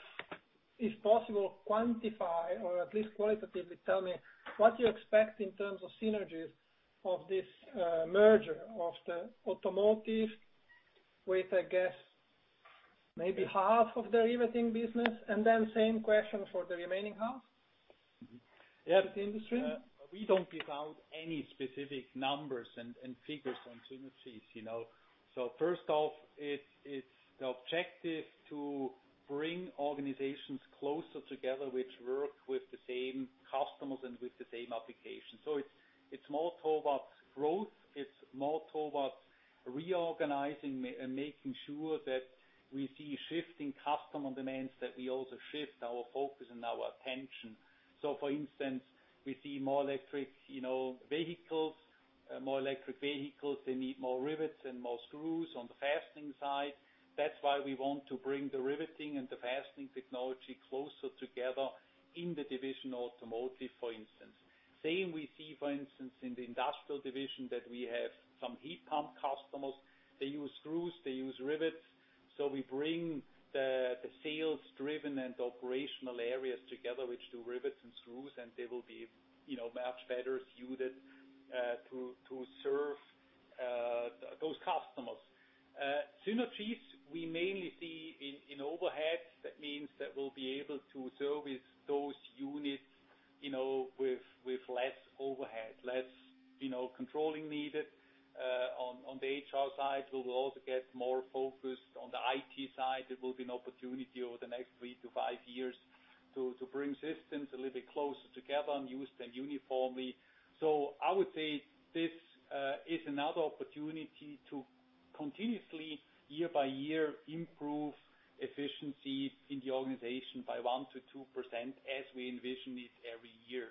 if possible, quantify or at least qualitatively tell me what you expect in terms of synergies of this merger of the Automotive with, I guess, maybe half of the riveting business? Same question for the remaining half with the industry. We don't give out any specific numbers and figures on synergies, you know. First off, it's the objective to bring organizations closer together, which work with the same customers and with the same application. It's more toward about growth, it's more toward about reorganizing and making sure that we see shifting customer demands, that we also shift our focus and our attention. For instance, we see more electric vehicles. They need more rivets and more screws on the fastening side. That's why we want to bring the riveting and the fastening technology closer together in the Division Automotive, for instance. Same we see, for instance, in the Industrial Division, that we have some heat pump customers. They use screws, they use rivets. We bring the sales driven and operational areas together, which do rivets and screws. They will be, you know, much better suited to serve those customers. Synergies we mainly see in overhead. That means that we'll be able to service those units, you know, with less overhead, less, you know, controlling needed. On the HR side, we will also get more focused. On the IT side, there will be an opportunity over the next three-five years to bring systems a little bit closer together and use them uniformly. I would say this is another opportunity to continuously, year by year, improve efficiency in the organization by 1%-2%, as we envision it every year.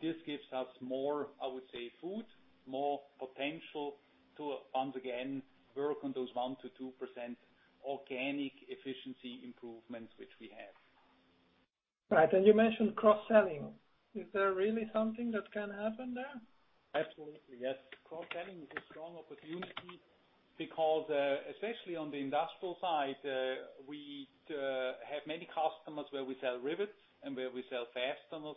This gives us more, I would say, food, more potential to once again, work on those 1%-2% organic efficiency improvements, which we have. Right. You mentioned cross-selling. Is there really something that can happen there? Absolutely, yes. Cross-selling is a strong opportunity because, especially on the industrial side, we have many customers where we sell rivets and where we sell fasteners,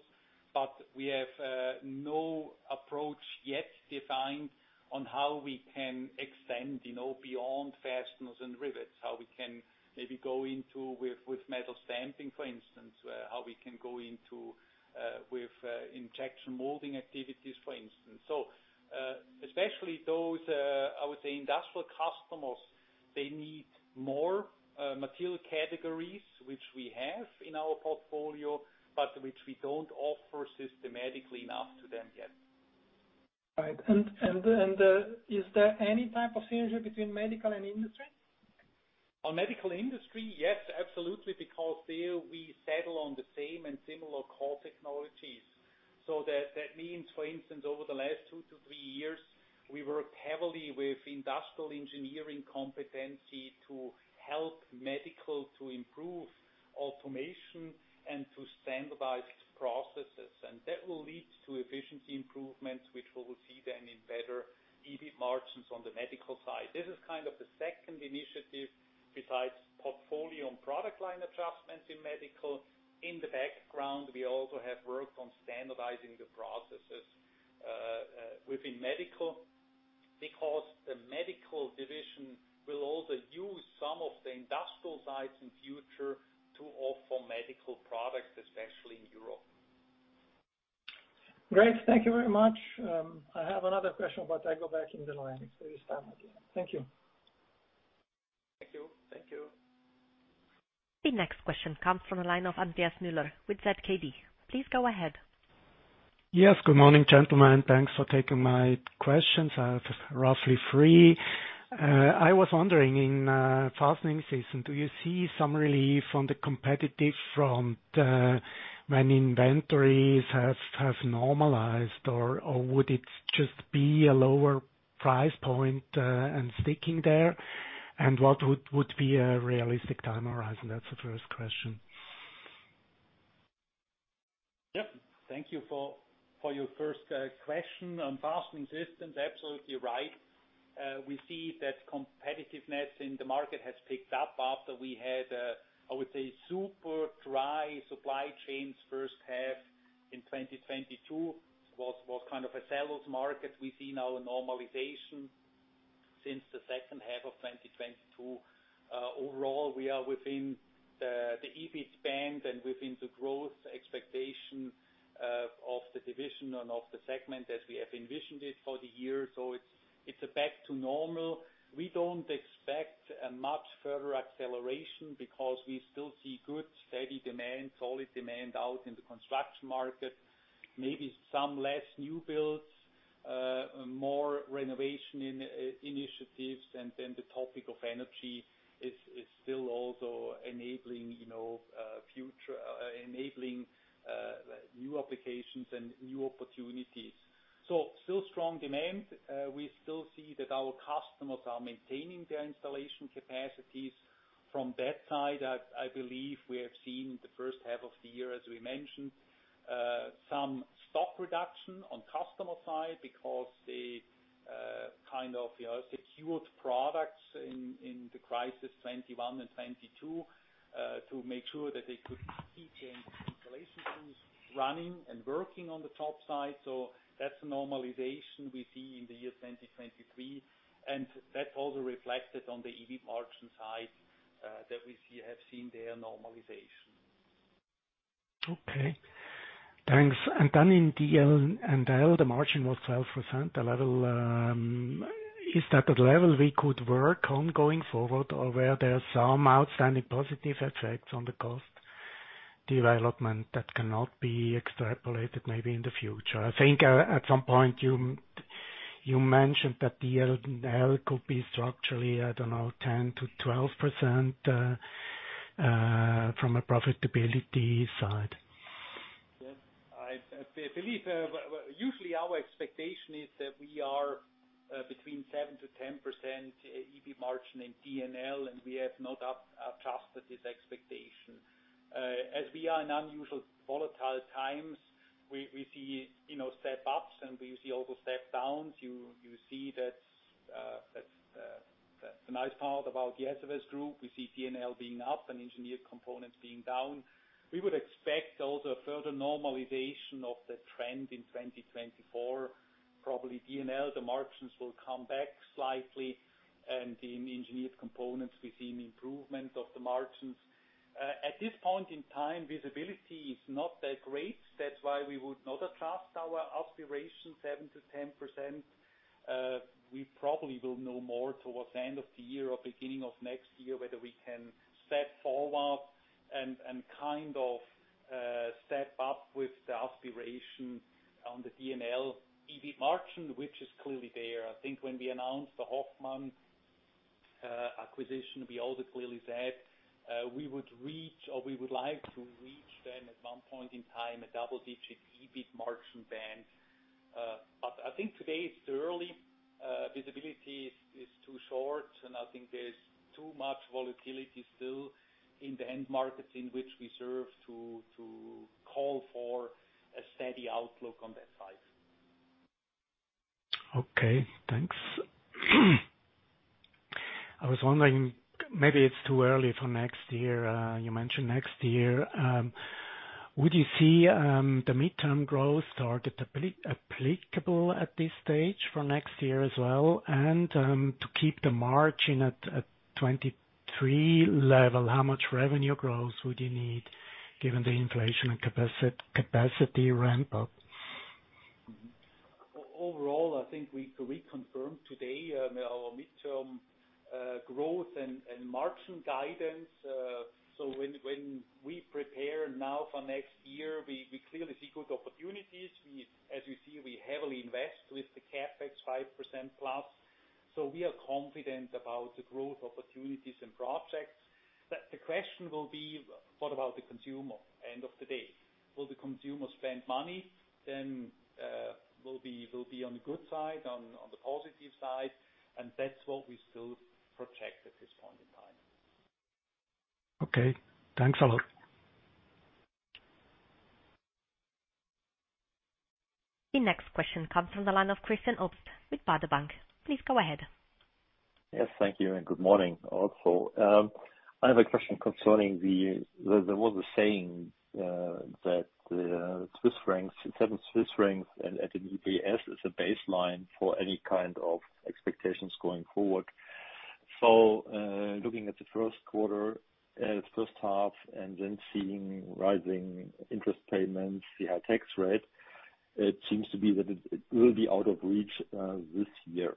but we have no approach yet defined on how we can extend, you know, beyond fasteners and rivets. How we can maybe go into with metal stamping, for instance, how we can go into, with injection molding activities, for instance. Especially those, I would say, industrial customers, they need more material categories, which we have in our portfolio, but which we don't offer systematically enough to them yet. Right. Is there any type of synergy between medical and industry? On Medical industry, yes, absolutely, because there we settle on the same and similar core technologies. That, that means, for instance, over the last two to three years, we worked heavily with industrial engineering competency to help Medical to improve automation and to standardize processes. That will lead to efficiency improvements, which we will see then in better EBIT margins on the Medical side. This is kind of the second initiative besides portfolio and product line adjustments in Medical. In the background, we also have worked on standardizing the processes within Medical, because the Medical division will also use some of the industrial sites in future to offer Medical products, especially in Europe. Great. Thank you very much. I have another question, but I go back in the learning, so it's time again. Thank you. Thank you. Thank you. The next question comes from the line of Andreas Müller with ZKB. Please go ahead. Yes, good morning, gentlemen, thanks for taking my questions. I have roughly three. I was wondering, in Fastening Systems, do you see some relief on the competitive front when inventories have normalized, or would it just be a lower price point and sticking there? What would be a realistic time horizon? That's the first question. Yep. Thank you for your first question. On Fastening Systems, absolutely right. We see that competitiveness in the market has picked up after we had, I would say, super dry supply chains first half in 2022. Was kind of a sellers market. We've seen now a normalization since the second half of 2022. Overall, we are within the EBIT spend and within the growth expectation of the division and of the segment as we have envisioned it for the year. So it's a back to normal. We don't expect a much further acceleration because we still see good, steady demand, solid demand out in the construction market, maybe some less new builds more renovation in initiatives. The topic of energy is still also enabling, you know, future enabling new applications and new opportunities. Still strong demand. We still see that our customers are maintaining their installation capacities. From that side, I believe we have seen the first half of the year, as we mentioned, some stock reduction on customer side because they, kind of, you know, secured products in the crisis 2021 and 2022, to make sure that they could keep the installation teams running and working on the top side. That's a normalization we see in the year 2023, and that also reflected on the EBIT margin side, that we see have seen their normalization. Okay, thanks. In D&L, the margin was 12%. The level, is that the level we could work on going forward, or were there some outstanding positive effects on the cost development that cannot be extrapolated, maybe in the future? I think, at some point, you mentioned that the D&L could be structurally, I don't know, 10%-12% from a profitability side. Yes. I believe, well, usually our expectation is that we are between 7%-10% EBIT margin in D&L, and we have not adjusted this expectation. As we are in unusual volatile times, we see, you know, step-ups, and we see also step-downs. You see that's the nice part about the SFS Group. We see D&L being up and Engineered Components being down. We would expect also a further normalization of the trend in 2024. Probably D&L, the margins will come back slightly, and in Engineered Components, we see an improvement of the margins. At this point in time, visibility is not that great. That's why we would not adjust our aspiration 7%-10%. We probably will know more towards the end of the year or beginning of next year, whether we can step forward and kind of, step up with the aspiration on the D&L EBIT margin, which is clearly there. I think when we announced the Hoffmann acquisition, we also clearly said, we would reach or we would like to reach them at one point in time, a double-digit EBIT margin band. I think today it's too early, visibility is too short, and I think there's too much volatility still in the end markets in which we serve to call for a steady outlook on that side. Okay, thanks. I was wondering, maybe it's too early for next year. You mentioned next year. Would you see the midterm growth target applicable at this stage for next year as well? To keep the margin at 23 level, how much revenue growth would you need, given the inflation and capacity ramp-up? Overall, I think we confirmed today, our midterm growth and margin guidance. When we prepare now for next year, we clearly see good opportunities. As you see, we heavily invest with the CapEx 5%+, so we are confident about the growth opportunities and projects. The question will be, what about the consumer end of the day? Will the consumer spend money? We'll be on the good side, on the positive side, and that's what we still project at this point in time. Okay, thanks a lot. The next question comes from the line of Christian Obst with Baader Bank. Please go ahead. Yes, thank you and good morning also. I have a question concerning the, there was a saying that 7 Swiss francs and at an EPS is a baseline for any kind of expectations going forward. Looking at the first quarter, first half, and then seeing rising interest payments, the high tax rate, it seems to be that it will be out of reach this year.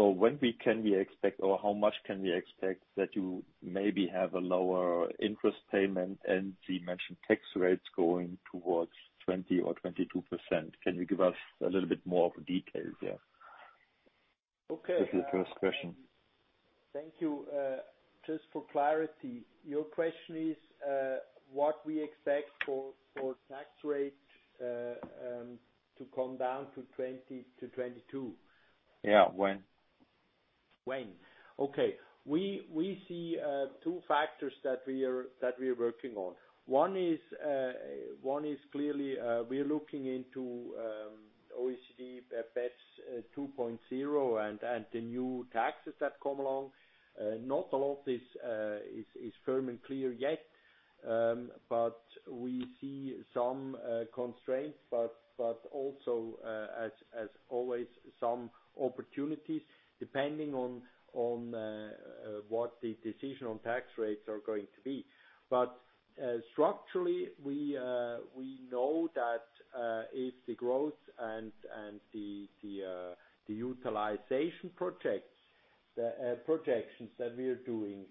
When we can we expect, or how much can we expect that you maybe have a lower interest payment and the mentioned tax rates going towards 20% or 22%? Can you give us a little bit more of the details there? Okay. This is the first question. Thank you. Just for clarity, your question is, what we expect for tax rates, to come down to 20%-22%? Yeah. When. When? Okay. We see two factors that we are working on. One is clearly, we are looking into OECD BEPS 2.0 and the new taxes that come along. Not a lot of this is firm and clear yet, but we see some constraints, but also, as always, some opportunities depending on what the decision on tax rates are going to be. Structurally, we know that if the growth and the utilization projections that we are doing.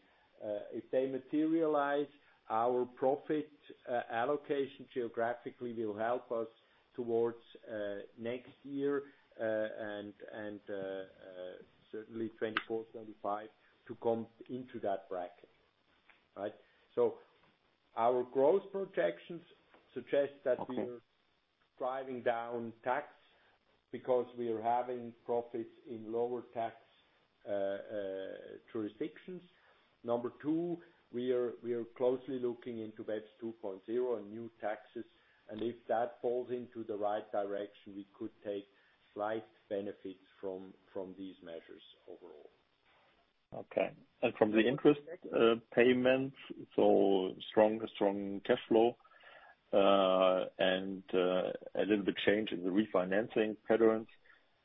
If they materialize, our profit allocation geographically will help us towards next year, and certainly 2024, 2025, to come into that bracket, right? Our growth projections suggest that- Okay. we are driving down tax because we are having profits in lower tax jurisdictions. Number two, we are closely looking into BEPS 2.0 and new taxes, and if that falls into the right direction, we could take slight benefits from these measures overall. Okay. From the interest payments, so strong cash flow, and a little bit change in the refinancing patterns,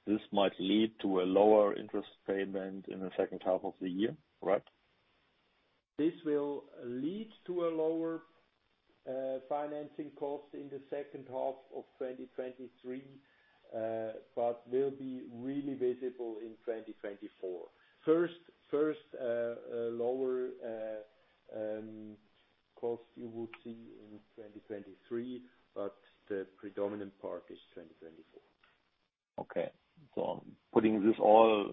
this might lead to a lower interest payment in the second half of the year, right? This will lead to a lower financing cost in the second half of 2023, but will be really visible in 2024. First, lower cost you will see in 2023, but the predominant part is 2024. Okay. Putting this all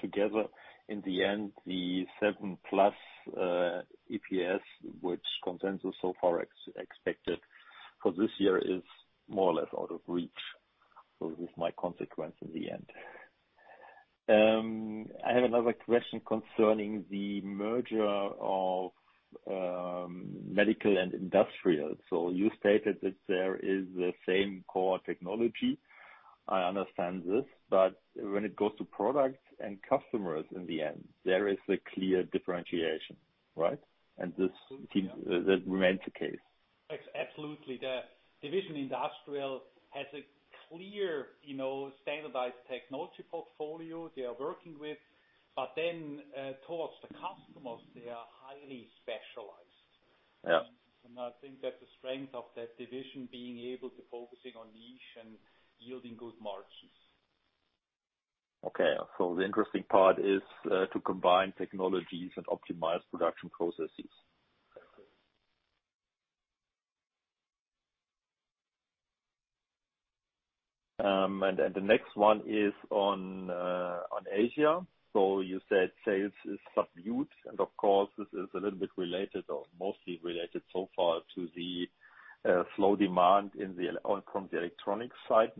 together, in the end, the 7+ EPS, which consensus so far expected for this year, is more or less out of reach. This is my consequence in the end. I have another question concerning the merger of Medical and Industrial. You stated that there is the same core technology. I understand this, but when it goes to products and customers, in the end, there is a clear differentiation, right? This seems. Absolutely. That remains the case. Absolutely. The division industrial has a clear, you know, standardized technology portfolio they are working with. Towards the customers, they are highly specialized. Yeah. I think that the strength of that division being able to focusing on niche and yielding good margins. Okay. The interesting part is to combine technologies and optimize production processes. The next one is on Asia. You said sales is subdued, and of course, this is a little bit related or mostly related so far to the slow demand from the electronic side,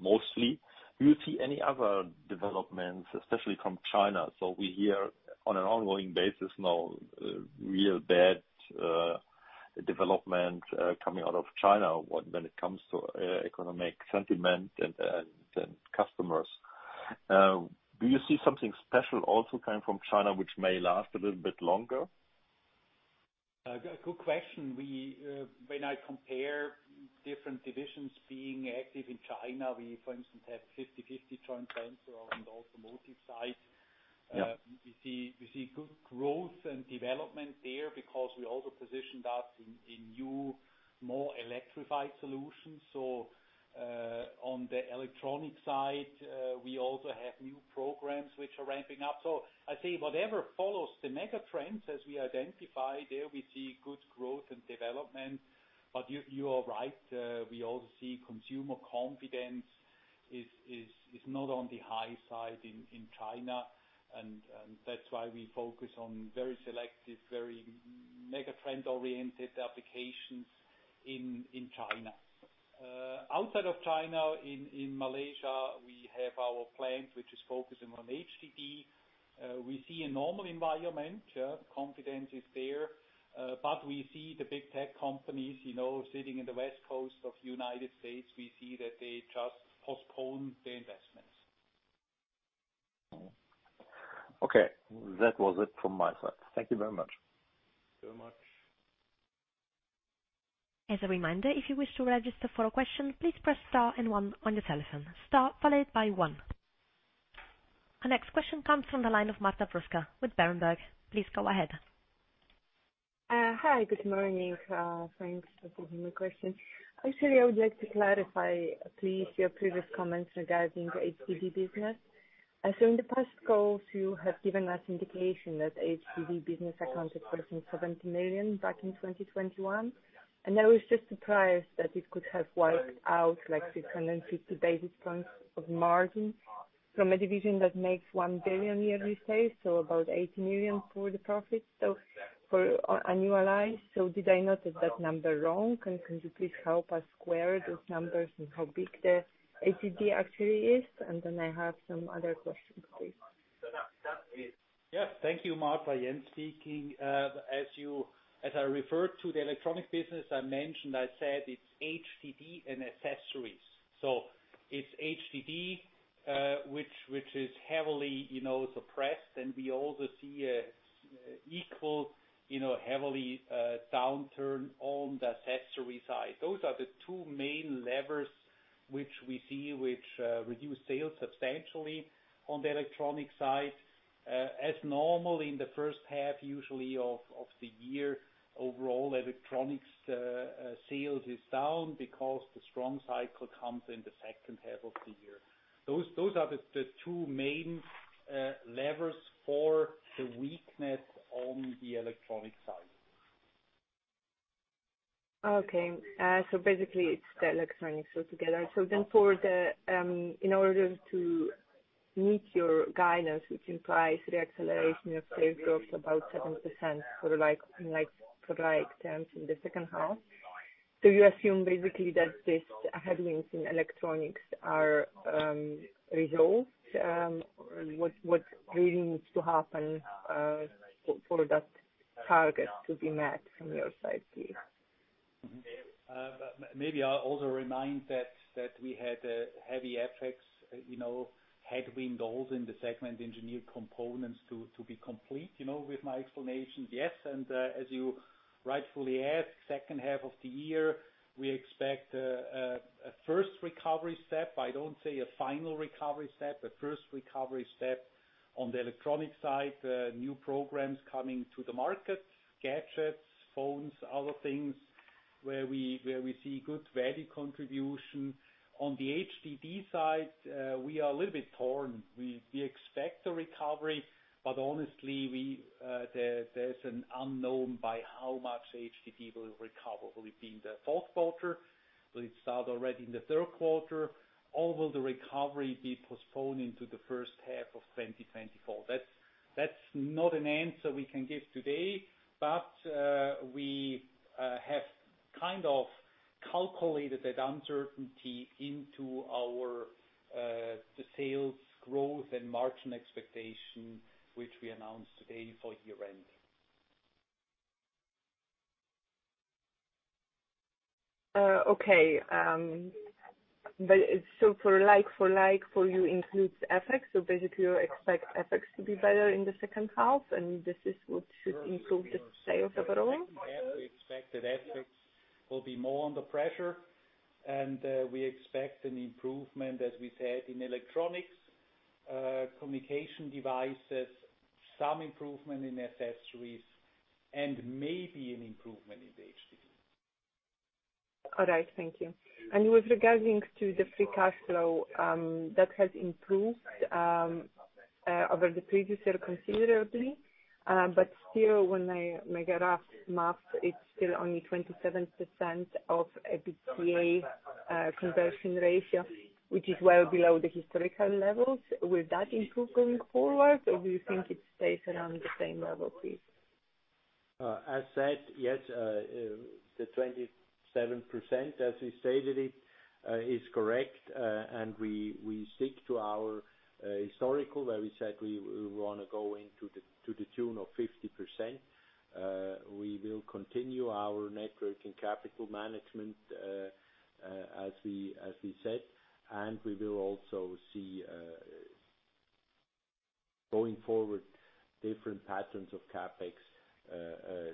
mostly. Do you see any other developments, especially from China? We hear on an ongoing basis, now, real bad development coming out of China, when it comes to economic sentiment and customers. Do you see something special also coming from China, which may last a little bit longer? Good question. We, when I compare different divisions being active in China, we for instance, have 50/50 joint venture on the automotive side. Yeah. We see good growth and development there because we also positioned us in new, more electrified solutions. On the electronic side, we also have new programs which are ramping up. I think whatever follows the mega trends as we identify there, we see good growth and development. You are right, we also see consumer confidence is not on the high side in China, and that's why we focus on very selective, very mega trend-oriented applications in China. Outside of China, in Malaysia, we have our plant, which is focusing on HDD. We see a normal environment. Confidence is there, but we see the big tech companies, you know, sitting in the West Coast of United States, we see that they just postpone their investments. Okay. That was it from my side. Thank you very much. Much. As a reminder, if you wish to register for a question, please press Star and one on your telephone. Star followed by one. Our next question comes from the line of Marta Bruska with Berenberg. Please go ahead. Hi, good morning. Thanks for taking my question. Actually, I would like to clarify, please, your previous comments regarding the HDD business. In the past calls, you have given us indication that HDD business accounted for some 70 million back in 2021, and I was just surprised that it could have wiped out like 650 basis points of margin from a division that makes 1 billion yearly sales, so about 80 million for the profit, so for annualize. Did I note that number wrong? Can you please help us square those numbers and how big the HDD actually is? I have some other questions, please. Yeah. Thank you, Marta. Jens speaking. As I referred to the electronic business, I mentioned, I said it's HDD and accessories. It's HDD, which is heavily, you know, suppressed, and we also see a equal, you know, heavily, downturn on the accessory side. Those are the two main levers which we see, which reduce sales substantially on the electronic side. As normal in the first half, usually of the year, overall electronics sales is down because the strong cycle comes in the second half of the year. Those are the two main levers for the weakness on the electronic side. Okay. Basically, it's the electronics put together. In order to meet your guidance, which implies the acceleration of sales growth, about 7% for like for like terms in the second half, do you assume basically that this headwinds in electronics are resolved? What really needs to happen for that target to be met from your side, please? Maybe I'll also remind that we had a heavy FX, you know, headwind goals in the segment Engineered Components to be complete, you know, with my explanations. As you rightfully ask, second half of the year, we expect a first recovery step. I don't say a final recovery step, a first recovery step on the electronic side, new programs coming to the market, gadgets, phones, other things where we see good value contribution. On the HDD side, we are a little bit torn. We expect a recovery, but honestly, we, there's an unknown by how much HDD will recover. Will it be in the fourth quarter? Will it start already in the third quarter, or will the recovery be postponed into the first half of 2024? That's not an answer we can give today, but we have kind of calculated that uncertainty into our the sales growth and margin expectation, which we announced today for year-end. Okay. So for like, for you, includes FX. Basically, you expect FX to be better in the second half, and this is what should improve the state of the borrowing? We expect that FX will be more under pressure, and we expect an improvement, as we said, in electronics, communication devices, some improvement in accessories, and maybe an improvement in the HDD. All right, thank you. With regarding to the free cash flow, that has improved over the previous year considerably, but still, when I make a rough math, it's still only 27% of EBITDA conversion ratio, which is well below the historical levels. Will that improve going forward, or do you think it stays around the same level, please? As said, yes, the 27%, as we stated it, is correct, and we stick to our historical, where we said we want to go into the tune of 50%. We will continue our net working capital management as we said, and we will also see going forward, different patterns of CapEx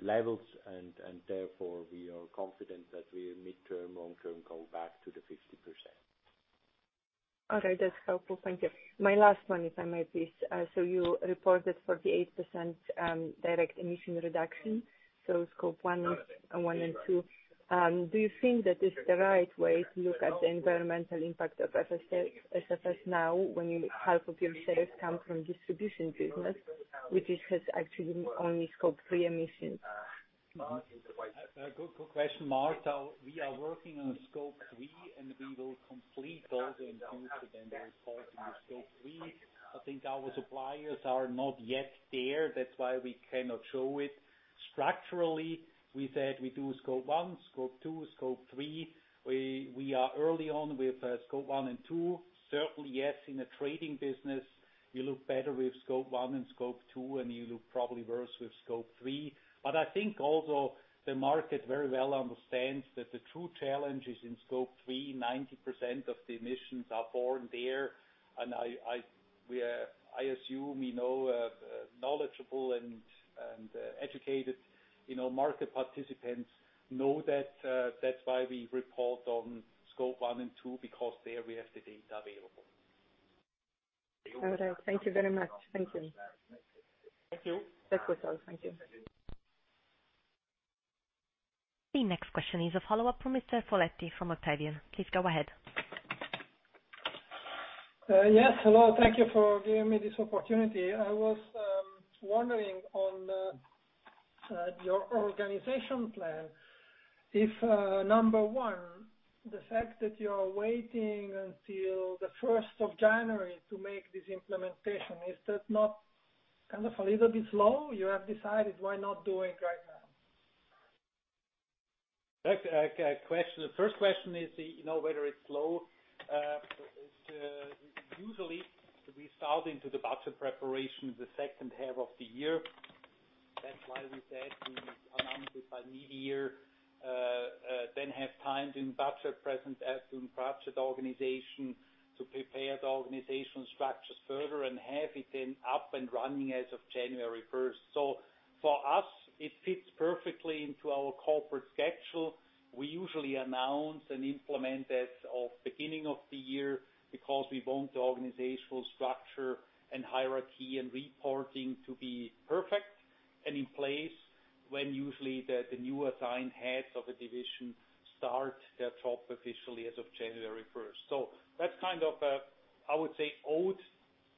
levels, and therefore, we are confident that we mid-term, long-term, go back to the 50%. Okay, that's helpful. Thank you. My last one, if I may, please. You reported 48% direct emission reduction, so Scope 1 and 2. Do you think that is the right way to look at the environmental impact of SFS Group now, when half of your sales come from distribution business, which has actually only Scope 3 emissions? Good question, Marta. We are working on Scope 3. We will complete those and include it in the report in Scope 3. I think our suppliers are not yet there, that's why we cannot show it. Structurally, we said we do Scope 1, Scope 2, Scope 3. We are early on with Scope 1 and 2. Certainly, yes, in a trading business, you look better with Scope 1 and Scope 2, and you look probably worse with Scope 3. I think also the market very well understands that the true challenge is in Scope 3. 90% of the emissions are born there, and I, we assume we know knowledgeable and educated, you know, market participants know that. That's why we report on Scope 1 and 2, because there we have the data available. All right. Thank you very much. Thank you. Thank you. That's was all. Thank you. The next question is a follow-up from Mr. Foletti from Octavian. Please go ahead. Yes, hello. Thank you for giving me this opportunity. I was wondering on your organization plan, if number one, the fact that you're waiting until the first of January to make this implementation, is that not kind of a little bit slow? You have decided, why not do it right now? Okay, The first question is, you know, whether it's slow. Usually, we start into the budget preparation the second half of the year. That's why we said we announced it by midyear, then have time in budget present as in budget organization, to prepare the organizational structures further and have it then up and running as of January 1st. For us, it fits perfectly into our corporate schedule. We usually announce and implement as of beginning of the year, because we want the organizational structure and hierarchy and reporting to be perfect and in place when usually the new assigned heads of a division start their job officially as of January first. That's kind of a, I would say, ode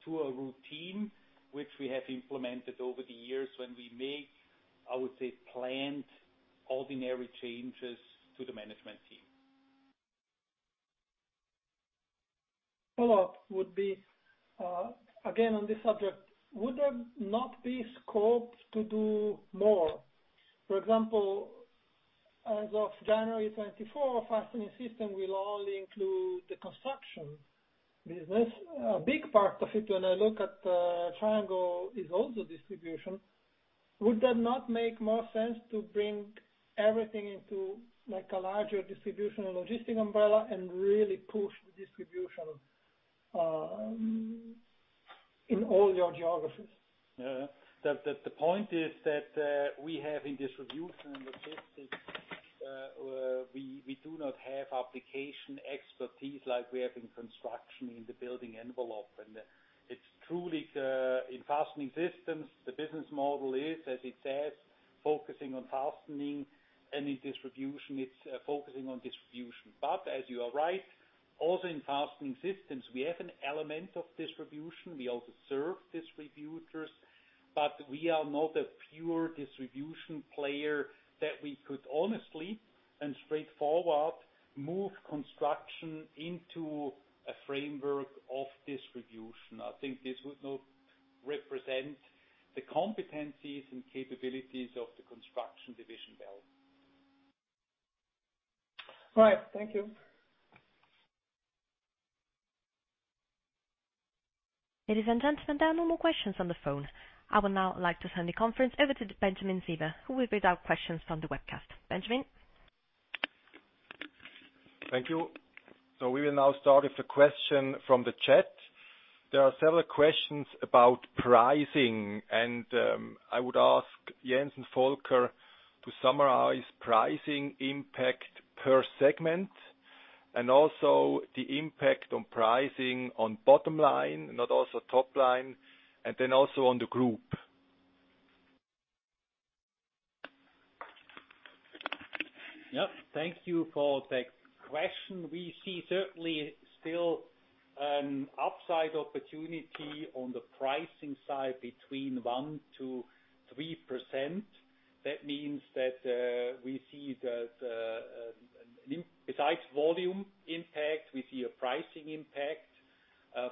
to a routine, which we have implemented over the years when we make, I would say, planned ordinary changes to the management team. Follow-up would be again, on this subject. Would there not be scope to do more? For example, as of January 2024, Fastening Systems will only include the construction business. A big part of it, when I look at Triangle, is also distribution. Would that not make more sense to bring everything into, like, a larger Distribution & Logistics umbrella and really push the distribution in all your geographies? Yeah. The point is that we have in Distribution & Logistics, we do not have application expertise like we have in Construction in the building envelope. It's truly in Fastening Systems, the business model is, as it says, focusing on fastening, and in distribution, it's focusing on distribution. As you are right, also in Fastening Systems, we have an element of distribution. We also serve distributors, but we are not a pure distribution player that we could honestly and straightforward move Construction into a framework of distribution. I think this would not represent the competencies and capabilities of the Construction division well. All right, thank you. Ladies and gentlemen, there are no more questions on the phone. I would now like to turn the conference over to Benjamin Sieber, who will read out questions from the webcast. Benjamin? Thank you. We will now start with the question from the chat. There are several questions about pricing, and I would ask Jens and Volker to summarize pricing impact per segment, and also the impact on pricing on bottom line, not also top line, and then also on the group. Yep. Thank you for that question. We see certainly still an upside opportunity on the pricing side between 1%-3%. That means that we see the besides volume impact, we see a pricing impact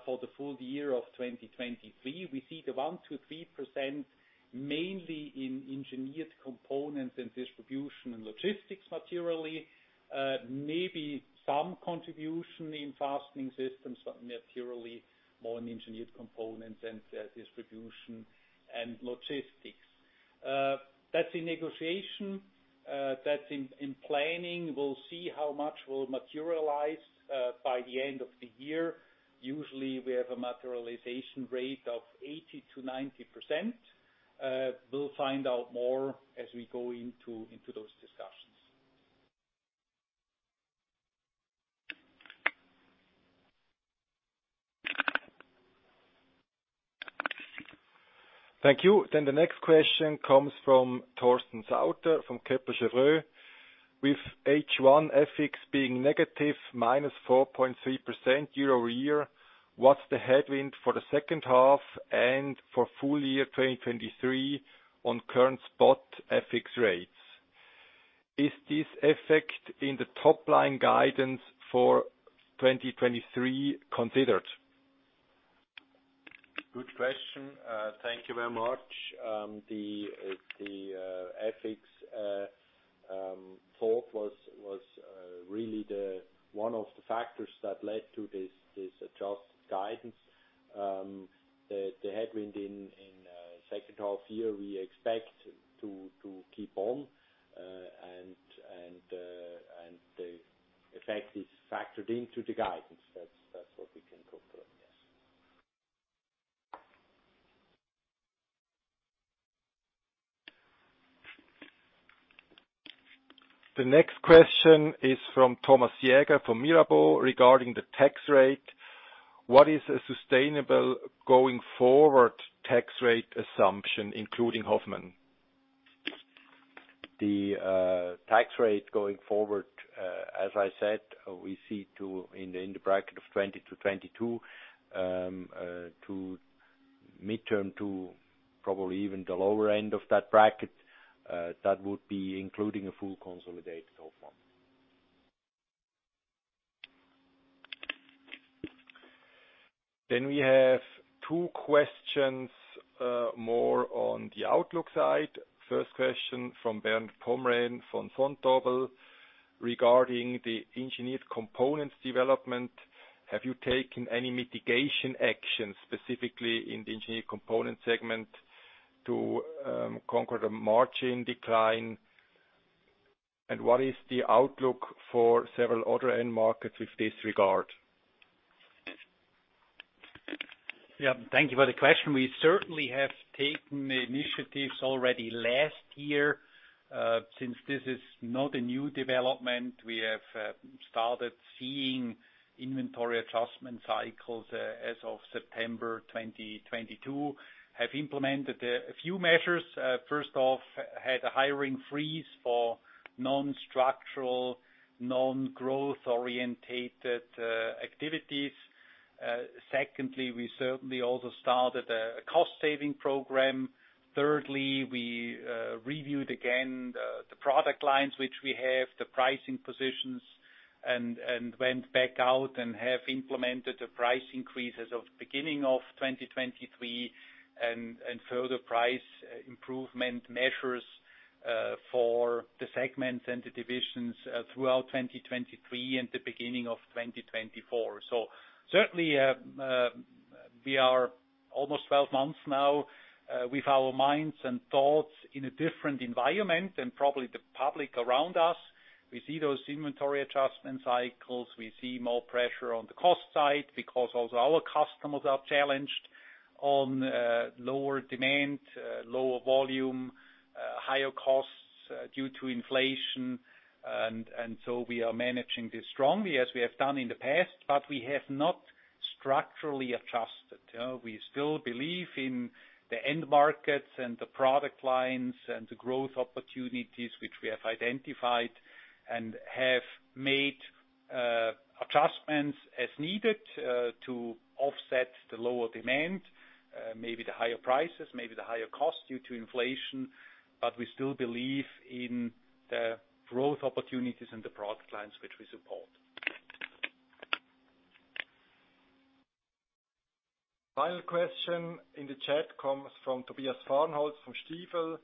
for the full year of 2023. We see the 1%-3% mainly in Engineered Components and Distribution & Logistics materially, maybe some contribution in Fastening Systems, but they're purely more in Engineered Components and Distribution & Logistics. That's in negotiation, that's in planning. We'll see how much will materialize by the end of the year. Usually, we have a materialization rate of 80%-90%. We'll find out more as we go into those discussions. Thank you. The next question comes from Torsten Sauter, from Kepler Cheuvreux. With H1 FX being negative, -4.3% year-over-year, what's the headwind for the second half and for full year 2023 on current spot FX rates? Is this effect in the top-line guidance for 2023 considered? Good question. Thank you very much. The FX thought was really the one of the factors that led to this adjusted guidance. The headwind in second half year, we expect to keep on and the effect is factored into the guidance. That's what we can confirm, yes. The next question is from Thomas Jäger, from Mirabaud, regarding the tax rate. What is a sustainable going forward tax rate assumption, including Hoffmann? The tax rate going forward, as I said, we see in the bracket of 20%-22% to midterm to probably even the lower end of that bracket, that would be including a full consolidated Hoffmann. We have two questions more on the outlook side. First question from Bernd Pomrehn, from Vontobel. Regarding the Engineered Components development, have you taken any mitigation actions, specifically in the Engineered Components segment, to conquer the margin decline? What is the outlook for several other end markets with this regard? Yeah, thank you for the question. We certainly have taken initiatives already last year, since this is not a new development. We have started seeing inventory adjustment cycles as of September 2022. Have implemented a few measures. First off, had a hiring freeze for non-structural, non-growth-oriented activities. Secondly, we certainly also started a cost-saving program. Thirdly, we reviewed again the product lines, which we have, the pricing positions, and went back out and have implemented the price increase as of beginning of 2023, and further price improvement measures for the segments and the divisions throughout 2023 and the beginning of 2024. Certainly, we are almost 12 months now with our minds and thoughts in a different environment and probably the public around us. We see those inventory adjustment cycles. We see more pressure on the cost side because also our customers are challenged on lower demand, lower volume, higher costs due to inflation. We are managing this strongly, as we have done in the past, but we have not structurally adjusted. We still believe in the end markets and the product lines and the growth opportunities which we have identified, and have made adjustments as needed to offset the lower demand, maybe the higher prices, maybe the higher costs due to inflation. We still believe in the growth opportunities and the product lines which we support. Final question in the chat comes from Tobias Farnholtz from Stifel: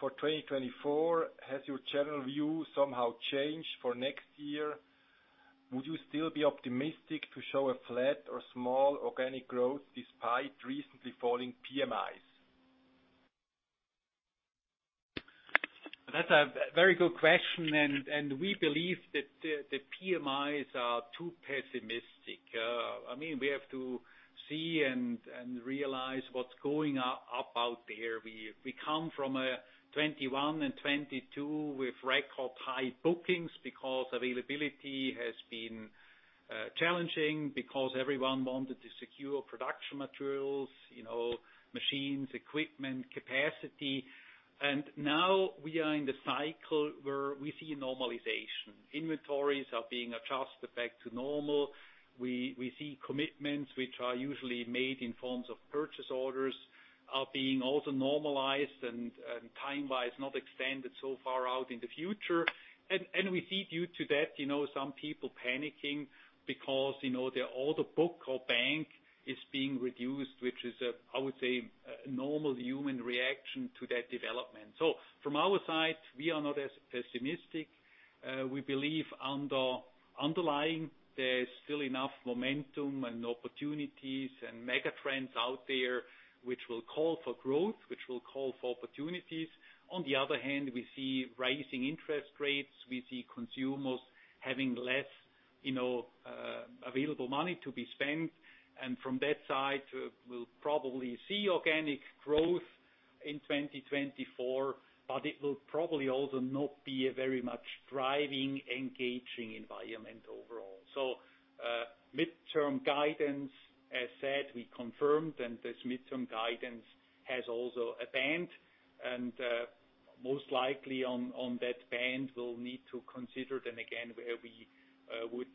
"For 2024, has your general view somehow changed for next year? Would you still be optimistic to show a flat or small organic growth despite recently falling PMIs? That's a very good question, and we believe that the PMIs are too pessimistic. I mean, we have to see and realize what's going up out there. We come from a 2021 and 2022 with record high bookings because availability has been challenging, because everyone wanted to secure production materials, you know, machines, equipment, capacity. Now we are in the cycle where we see normalization. Inventories are being adjusted back to normal. We see commitments, which are usually made in forms of purchase orders, are being also normalized and time-wise, not extended so far out in the future. We see due to that, you know, some people panicking because, you know, their order book or bank is being reduced, which is a, I would say, a normal human reaction to that development. From our side, we are not as pessimistic. We believe underlying, there is still enough momentum and opportunities and mega trends out there, which will call for growth, which will call for opportunities. On the other hand, we see rising interest rates, we see consumers having less, you know, available money to be spent. From that side, we'll probably see organic growth in 2024, but it will probably also not be a very much driving, engaging environment overall. Midterm guidance, as said, we confirmed, and this midterm guidance has also a band, most likely on that band, we'll need to consider then again, where we would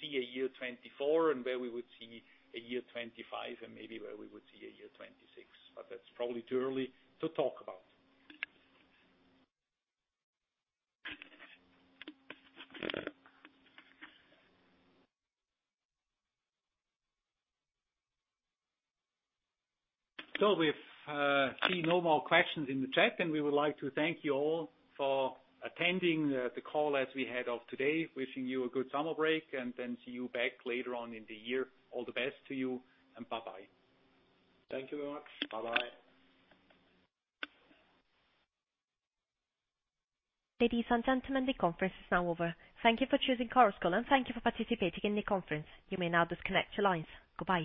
see a year 2024 and where we would see a year 2025, and maybe where we would see a year 2026. That's probably too early to talk about. We see no more questions in the chat, and we would like to thank you all for attending the call as we had of today. Wishing you a good summer break, and then see you back later on in the year. All the best to you, and bye-bye. Thank you very much. Bye-bye. Ladies and gentlemen, the conference is now over. Thank you for choosing Chorus Call, and thank you for participating in the conference. You may now disconnect your lines. Goodbye.